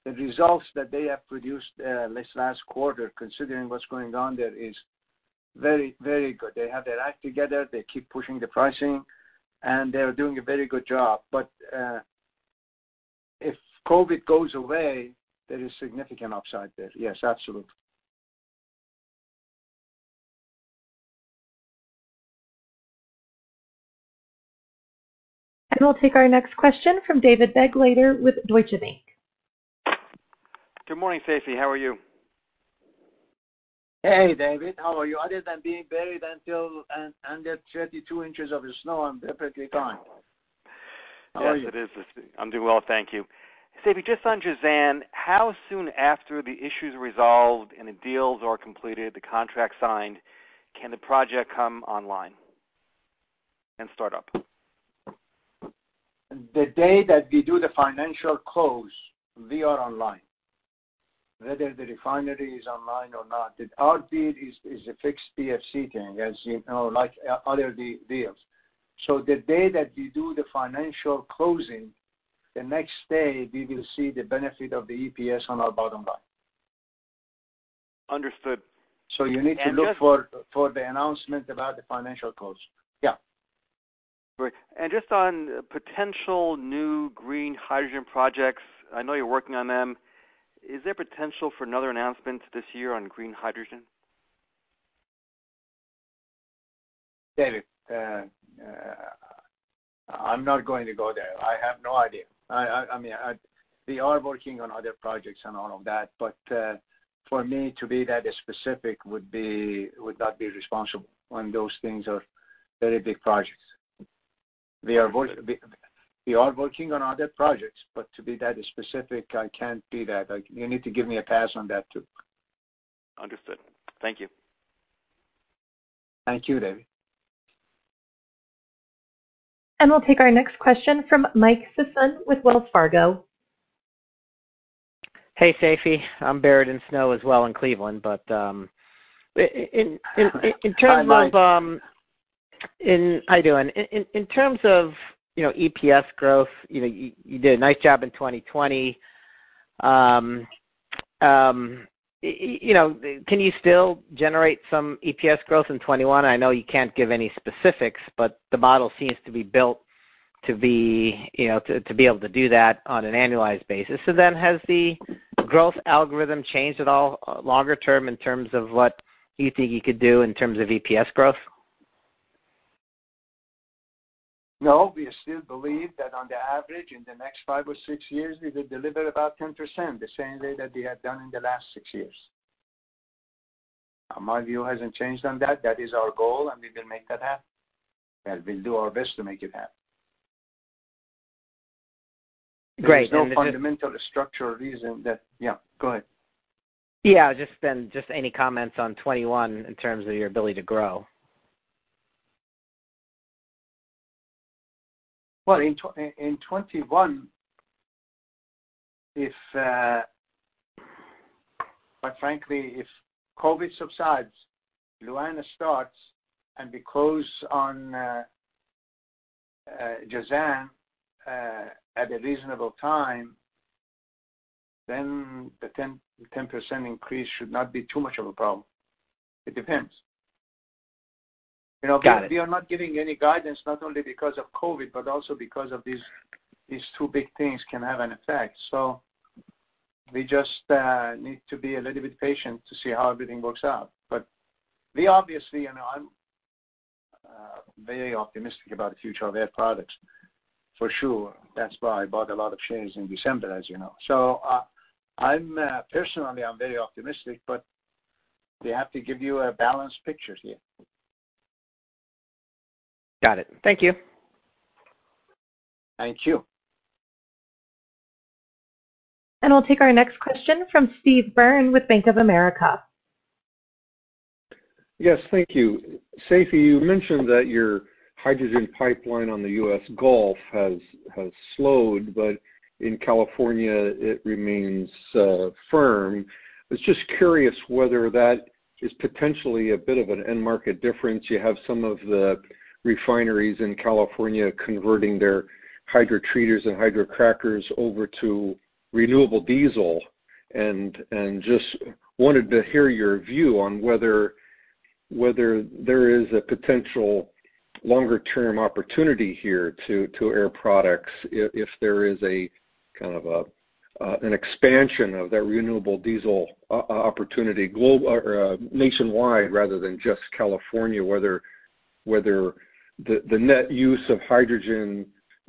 The results that they have produced this last quarter, considering what's going on there, is very good. They have their act together, they keep pushing the pricing, and they are doing a very good job. If COVID goes away, there is significant upside there. Yes, absolutely. We'll take our next question from David Begleiter with Deutsche Bank. Good morning, Seifi. How are you? Hey, David. How are you? Other than being buried until under 32 inches of snow, I'm perfectly fine. How are you? Yes, it is. I'm doing well. Thank you. Seifi, just on Jazan, how soon after the issue's resolved and the deals are completed, the contract signed, can the project come online and start up? The day that we do the financial close, we are online. Whether the refinery is online or not, our deal is a fixed fee thing, as you know, like other deals. The day that we do the financial closing, the next day, we will see the benefit of the EPS on our bottom line. Understood. You need to look for the announcement about the financial close. Yeah. Great. Just on potential new green hydrogen projects, I know you're working on them. Is there potential for another announcement this year on green hydrogen? David, I'm not going to go there. I have no idea. We are working on other projects and all of that. For me to be that specific would not be responsible when those things are very big projects. We are working on other projects, but to be that specific, I can't do that. You need to give me a pass on that, too. Understood. Thank you. Thank you, David. We'll take our next question from Mike Sison with Wells Fargo. Hey, Seifi. I'm buried in snow as well in Cleveland. Hi, Mike. How you doing? In terms of EPS growth, you did a nice job in 2020. Can you still generate some EPS growth in 2021? I know you can't give any specifics, but the model seems to be built to be able to do that on an annualized basis. Has the growth algorithm changed at all longer term in terms of what you think you could do in terms of EPS growth? No, we still believe that on the average, in the next five or six years, we will deliver about 10%, the same way that we have done in the last six years. My view hasn't changed on that. That is our goal, and we will make that happen. We'll do our best to make it happen. Great. There is no fundamental structural reason. Yeah, go ahead. Just any comments on 2021 in terms of your ability to grow. Well, in 2021, quite frankly, if COVID subsides, Lu'An starts, and we close on Jazan at a reasonable time, then the 10% increase should not be too much of a problem. It depends. Got it. We are not giving any guidance, not only because of COVID-19, but also because of these two big things can have an effect. We just need to be a little bit patient to see how everything works out. I'm very optimistic about the future of Air Products, for sure. That's why I bought a lot of shares in December, as you know. Personally, I'm very optimistic, we have to give you a balanced picture here. Got it. Thank you. Thank you. We'll take our next question from Steve Byrne with Bank of America. Yes, thank you. Seifi, you mentioned that your hydrogen pipeline on the U.S. Gulf has slowed, but in California, it remains firm. I was just curious whether that is potentially a bit of an end market difference. You have some of the refineries in California converting their hydrotreaters and hydrocrackers over to renewable diesel, and just wanted to hear your view on whether there is a potential longer-term opportunity here to Air Products, if there is a kind of an expansion of that renewable diesel opportunity nationwide rather than just California, whether the net use of hydrogen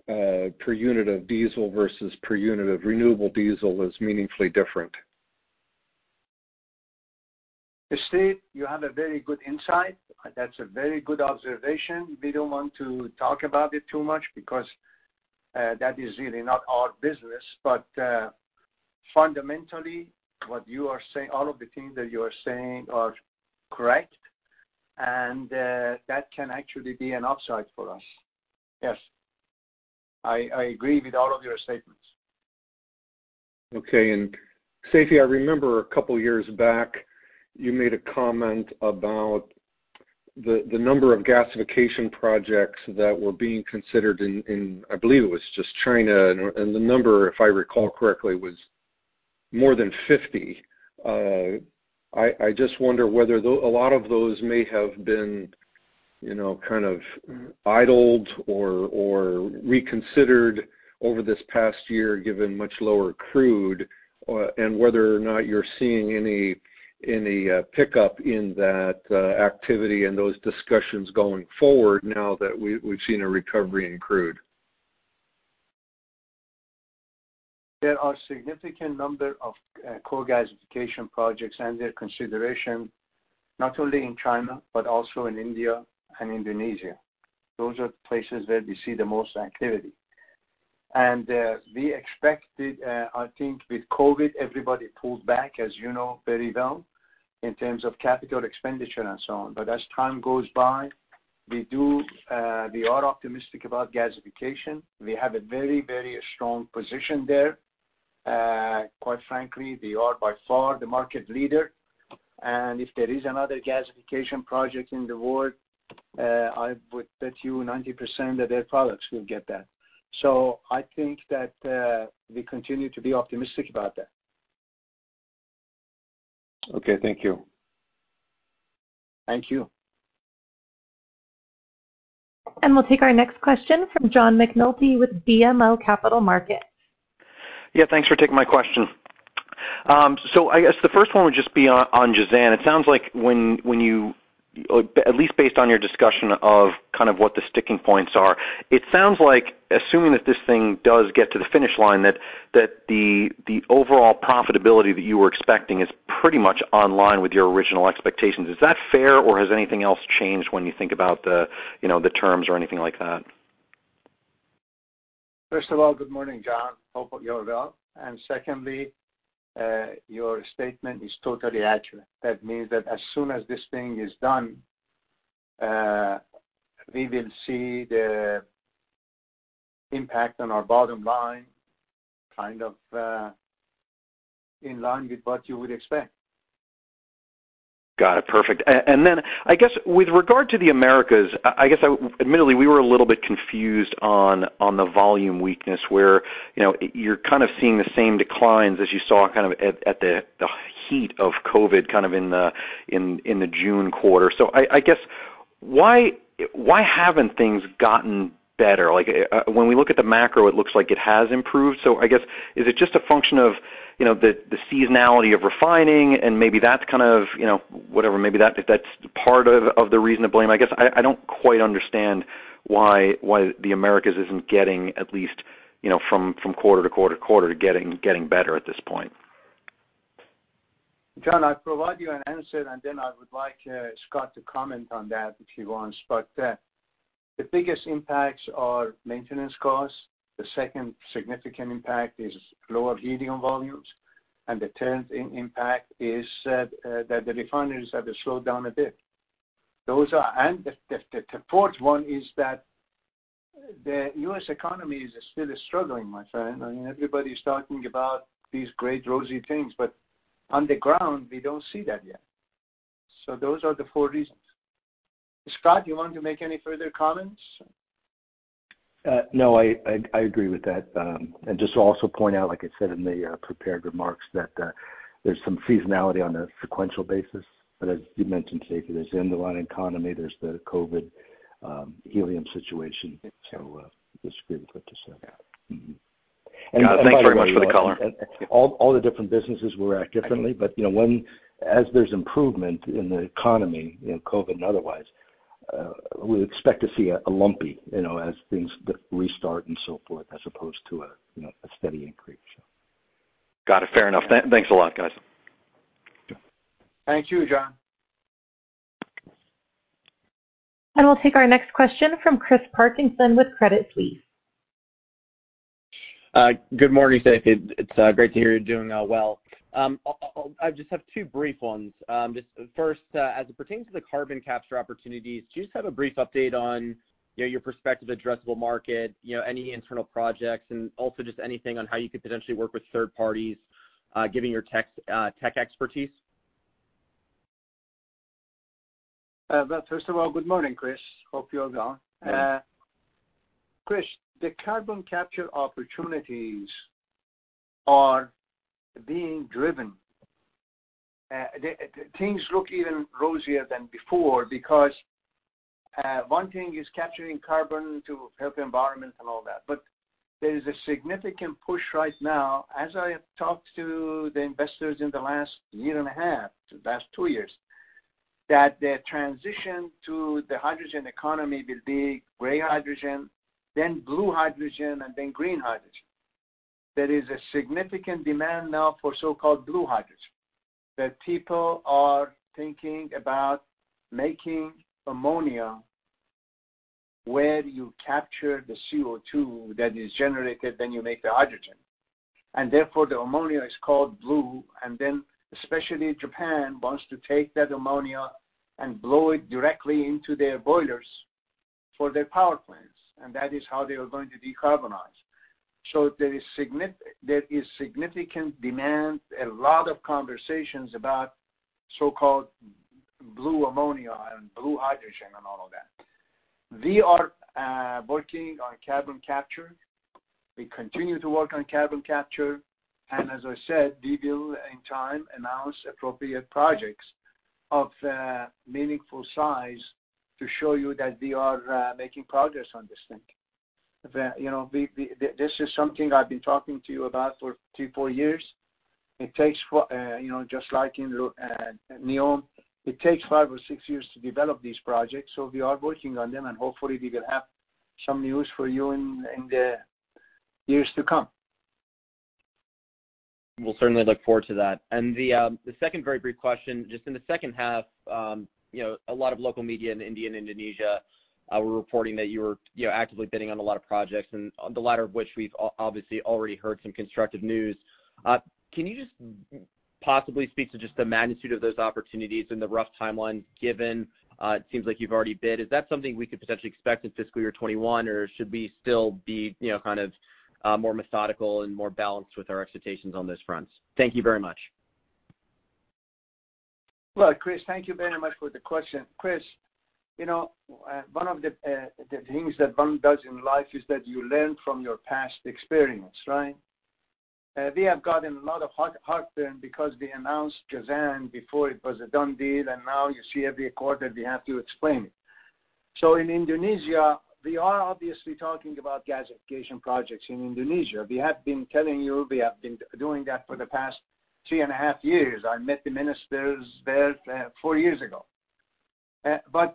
per unit of diesel versus per unit of renewable diesel is meaningfully different. Steve, you have a very good insight. That's a very good observation. We don't want to talk about it too much because that is really not our business. Fundamentally, all of the things that you are saying are correct, and that can actually be an upside for us. Yes. I agree with all of your statements. Okay. Seifi, I remember a couple years back, you made a comment about the number of gasification projects that were being considered in, I believe it was just China. The number, if I recall correctly, was more than 50. I just wonder whether a lot of those may have been idled or reconsidered over this past year, given much lower crude, and whether or not you're seeing any pickup in that activity and those discussions going forward now that we've seen a recovery in crude. There are significant number of coal gasification projects and their consideration, not only in China, but also in India and Indonesia. I think with COVID-19, everybody pulled back, as you know very well, in terms of capital expenditure and so on. As time goes by, we are optimistic about gasification. We have a very strong position there. Quite frankly, we are by far the market leader. If there is another gasification project in the world, I would bet you 90% that Air Products will get that. I think that we continue to be optimistic about that. Okay, thank you. Thank you. We'll take our next question from John McNulty with BMO Capital Markets. Yeah, thanks for taking my question. I guess the first one would just be on Jazan. It sounds like, at least based on your discussion of kind of what the sticking points are, it sounds like assuming that this thing does get to the finish line, that the overall profitability that you were expecting is pretty much online with your original expectations. Is that fair, or has anything else changed when you think about the terms or anything like that? First of all, good morning, John. Hope you're well. Secondly, your statement is totally accurate. That means that as soon as this thing is done, we will see the impact on our bottom line, kind of in line with what you would expect. Got it. Perfect. I guess with regard to the Americas, I guess, admittedly, we were a little bit confused on the volume weakness where you're kind of seeing the same declines as you saw at the heat of COVID in the June quarter. I guess, why haven't things gotten better? When we look at the macro, it looks like it has improved. I guess, is it just a function of the seasonality of refining and maybe that's part of the reason to blame. I guess I don't quite understand why the Americas isn't getting at least quarter to quarter getting better at this point. John, I provide you an answer, and then I would like Scott to comment on that if he wants. The biggest impacts are maintenance costs. The second significant impact is lower helium volumes, and the third impact is that the refineries have slowed down a bit. The fourth one is that the U.S. economy is still struggling, my friend. Everybody's talking about these great rosy things, but on the ground, we don't see that yet. Those are the four reasons. Scott, do you want to make any further comments? No, I agree with that. Just to also point out, like I said in the prepared remarks, that there's some seasonality on a sequential basis, but as you mentioned, Seifi, there's the underlying economy, there's the COVID-19 helium situation. Just food for thought to say. Yeah. Thanks very much for the color. All the different businesses will react differently. As there's improvement in the economy, COVID and otherwise, we expect to see a lumpy, as things restart and so forth, as opposed to a steady increase. Got it. Fair enough. Thanks a lot, guys. Thank you, John. We'll take our next question from Chris Parkinson with Credit Suisse. Good morning, Seifi. It's great to hear you're doing well. I just have two brief ones. First, as it pertains to the carbon capture opportunities, do you just have a brief update on your prospective addressable market, any internal projects, and also just anything on how you could potentially work with third parties, given your tech expertise? Well, first of all, good morning, Chris. Hope you're well. Yes. Chris, the carbon capture opportunities are being driven. Things look even rosier than before because one thing is capturing carbon to help the environment and all that. There is a significant push right now, as I have talked to the investors in the last year and a half, the last two years, that the transition to the hydrogen economy will be gray hydrogen, then blue hydrogen, and then green hydrogen. There is a significant demand now for so-called blue hydrogen. That people are thinking about making ammonia where you capture the CO2 that is generated, then you make the hydrogen, and therefore the ammonia is called blue. Especially Japan wants to take that ammonia and blow it directly into their boilers for their power plants, and that is how they are going to decarbonize. There is significant demand, a lot of conversations about so-called blue ammonia and blue hydrogen and all of that. We are working on carbon capture. We continue to work on carbon capture. As I said, we will, in time, announce appropriate projects of meaningful size to show you that we are making progress on this thing. This is something I've been talking to you about for three, four years. Just like in NEOM, it takes five or six years to develop these projects. We are working on them, and hopefully we will have some news for you in the years to come. We'll certainly look forward to that. The second very brief question, just in the second half, a lot of local media in India and Indonesia were reporting that you were actively bidding on a lot of projects, and on the latter of which we've obviously already heard some constructive news. Can you just possibly speak to just the magnitude of those opportunities and the rough timelines given? It seems like you've already bid. Is that something we could potentially expect in fiscal year 2021, or should we still be more methodical and more balanced with our expectations on those fronts? Thank you very much. Well, Chris, thank you very much for the question. Chris, one of the things that one does in life is that you learn from your past experience, right? We have gotten a lot of heartburn because we announced Jazan before it was a done deal, and now you see every quarter we have to explain it. In Indonesia, we are obviously talking about gasification projects in Indonesia. We have been telling you, we have been doing that for the past 3.5 Years. I met the ministers there four years ago.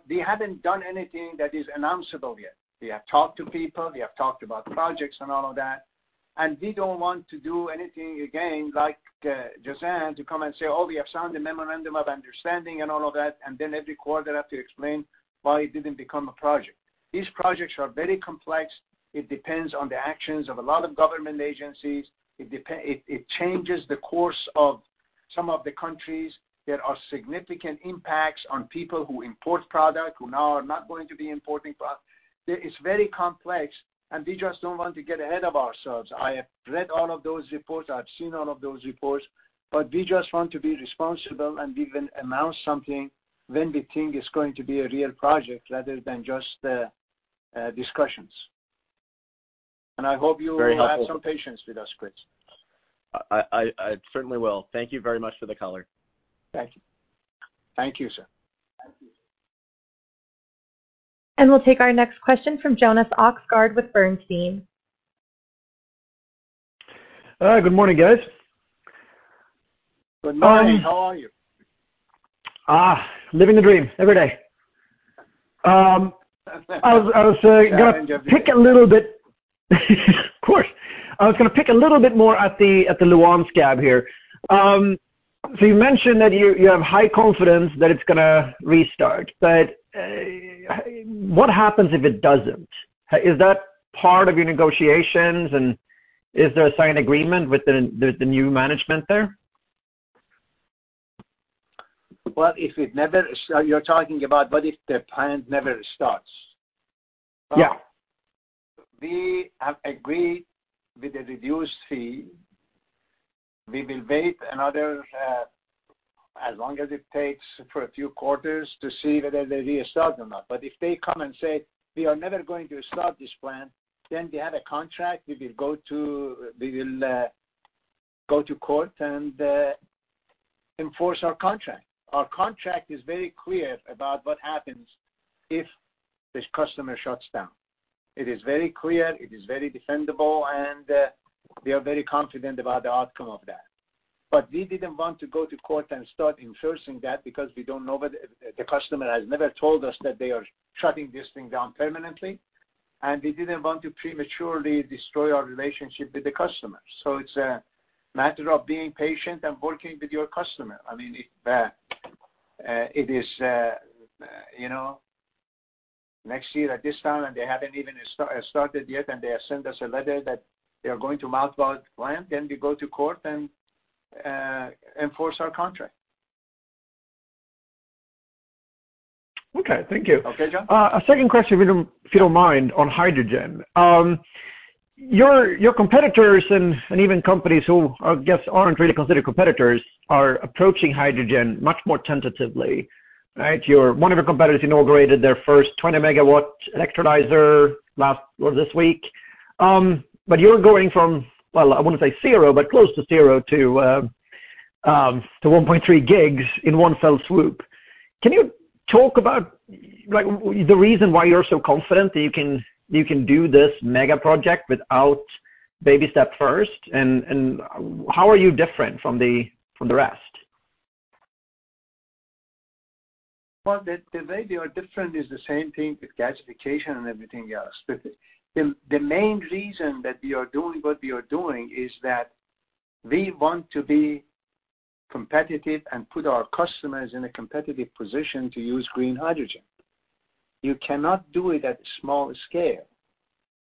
We haven't done anything that is announceable yet. We have talked to people, we have talked about projects and all of that, and we don't want to do anything again, like Jazan, to come and say, "Oh, we have signed a memorandum of understanding" and all of that, and then every quarter have to explain why it didn't become a project. These projects are very complex. It depends on the actions of a lot of government agencies. It changes the course of some of the countries. There are significant impacts on people who import product who now are not going to be importing product. It's very complex, and we just don't want to get ahead of ourselves. I have read all of those reports. I've seen all of those reports. We just want to be responsible, and we will announce something when we think it's going to be a real project rather than just discussions. I hope. Very helpful. will have some patience with us, Chris. I certainly will. Thank you very much for the color. Thank you. Thank you, sir. We'll take our next question from Jonas Oxgaard with Bernstein. Good morning, guys. Good morning. How are you? Living the dream every day. Challenge of the- Of course. I was going to pick a little bit more at the Lu'An scab here. You mentioned that you have high confidence that it's going to restart, but what happens if it doesn't? Is that part of your negotiations, and is there a signed agreement with the new management there? Well, you're talking about what if the plant never starts? Yeah. We have agreed with a reduced fee. We will wait as long as it takes for a few quarters to see whether they restart or not. If they come and say, "We are never going to start this plant," then we have a contract, we will go to court and enforce our contract. Our contract is very clear about what happens if this customer shuts down. It is very clear, it is very defendable, and we are very confident about the outcome of that. We didn't want to go to court and start enforcing that because the customer has never told us that they are shutting this thing down permanently, and we didn't want to prematurely destroy our relationship with the customer. It's a matter of being patient and working with your customer. I mean, if next year at this time and they haven't even started yet, and they have sent us a letter that they are going to mothball the plant, we go to court and enforce our contract. Okay. Thank you. Okay, John. A second question, if you don't mind, on hydrogen. Your competitors and even companies who I guess aren't really considered competitors, are approaching hydrogen much more tentatively, right? One of your competitors inaugurated their first 20 MW electrolyzer this week. You're going from, well, I won't say zero, but close to zero to 1.3 GW in one fell swoop. Can you talk about the reason why you're so confident that you can do this mega project without baby step first, and how are you different from the rest? Well, the way we are different is the same thing with gasification and everything else. The main reason that we are doing what we are doing is that we want to be competitive and put our customers in a competitive position to use green hydrogen. You cannot do it at a small scale.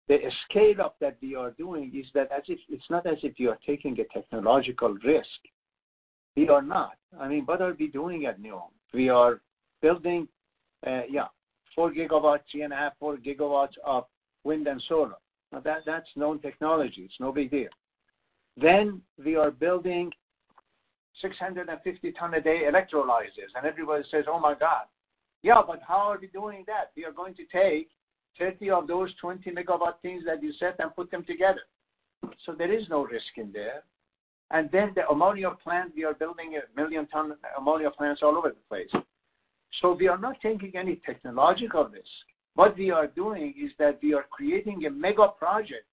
The scale-up that we are doing, it's not as if we are taking a technological risk. We are not. I mean, what are we doing at NEOM? We are building, yeah, 4 GW, three and a half, 4 GW of wind and solar. That's known technology. It's no big deal. We are building 650-ton-a-day electrolyzers, and everybody says, "Oh, my God." Yeah, how are we doing that? We are going to take 30 of those 20 MW things that you said and put them together. There is no risk there. The ammonia plant, we are building a one-million-ton ammonia plants all over the place. We are not taking any technological risk. What we are doing is that we are creating a mega project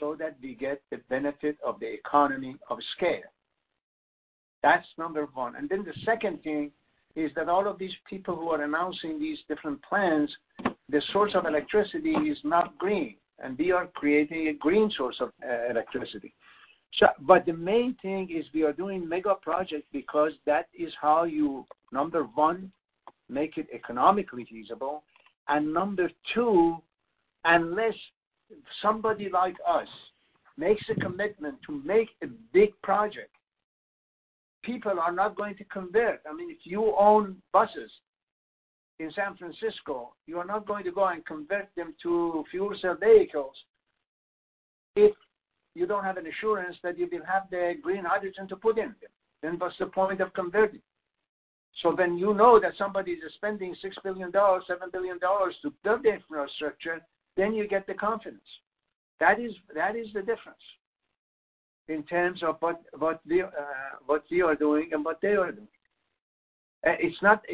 so that we get the benefit of the economy of scale. That's number one. The second thing is that all of these people who are announcing these different plans, the source of electricity is not green, and we are creating a green source of electricity. The main thing is we are doing mega projects because that is how you, number one, make it economically feasible. Number two, unless somebody like us makes a commitment to make a big project, people are not going to convert. I mean, if you own buses in San Francisco, you are not going to go and convert them to fuel cell vehicles if you don't have an assurance that you will have the green hydrogen to put in them. What's the point of converting? When you know that somebody is spending $6 billion, $7 billion to build the infrastructure, then you get the confidence. That is the difference in terms of what we are doing and what they are doing. It's not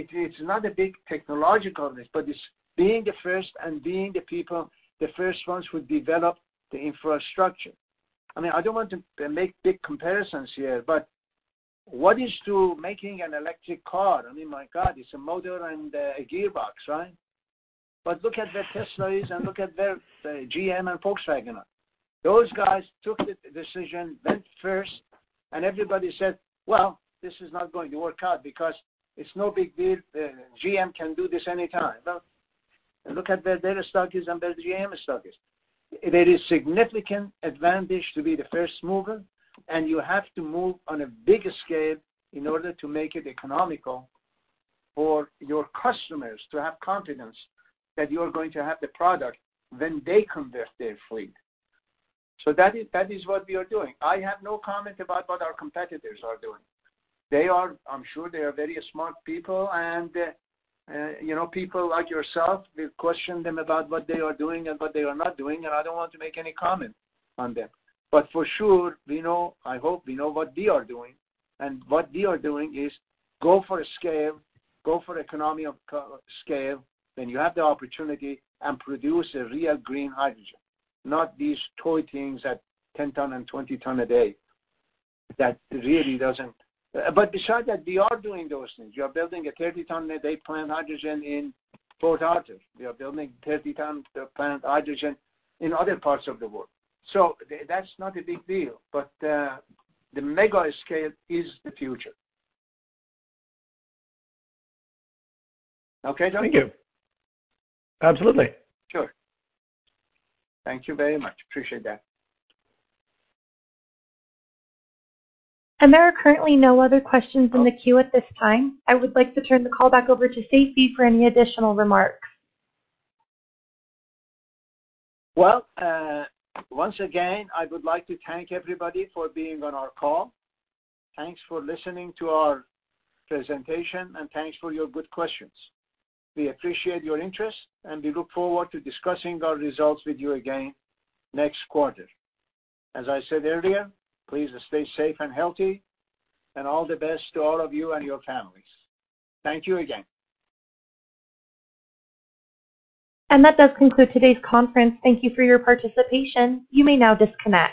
a big technological risk, but it's being the first, and being the first ones who develop the infrastructure. I mean, I don't want to make big comparisons here, but what is to making an electric car? I mean, my God, it's a motor and a gearbox, right? Look at the Teslas and look at the GM and Volkswagen. Those guys took the decision, went first, and everybody said, "Well, this is not going to work out because it's no big deal. GM can do this anytime." Well, look at their stock and their GM stock. There is significant advantage to be the first mover, and you have to move on a big scale in order to make it economical for your customers to have confidence that you are going to have the product when they convert their fleet. That is what we are doing. I have no comment about what our competitors are doing. I'm sure they are very smart people. People like yourself, we question them about what they are doing and what they are not doing, and I don't want to make any comment on them. For sure, I hope we know what we are doing. What we are doing is go for scale, go for economy of scale when you have the opportunity and produce a real green hydrogen, not these toy things at 10 tons and 20 tons a day. Beside that, we are doing those things. We are building a 30-ton-a-day plant hydrogen in Port Arthur. We are building a 30-ton plant hydrogen in other parts of the world. That's not a big deal, but the mega scale is the future. Okay, John? Thank you. Absolutely. Sure. Thank you very much. Appreciate that. There are currently no other questions in the queue at this time. I would like to turn the call back over to Seifi for any additional remarks. Well, once again, I would like to thank everybody for being on our call. Thanks for listening to our presentation, and thanks for your good questions. We appreciate your interest, and we look forward to discussing our results with you again next quarter. As I said earlier, please stay safe and healthy, and all the best to all of you and your families. Thank you again. That does conclude today's conference. Thank you for your participation. You may now disconnect.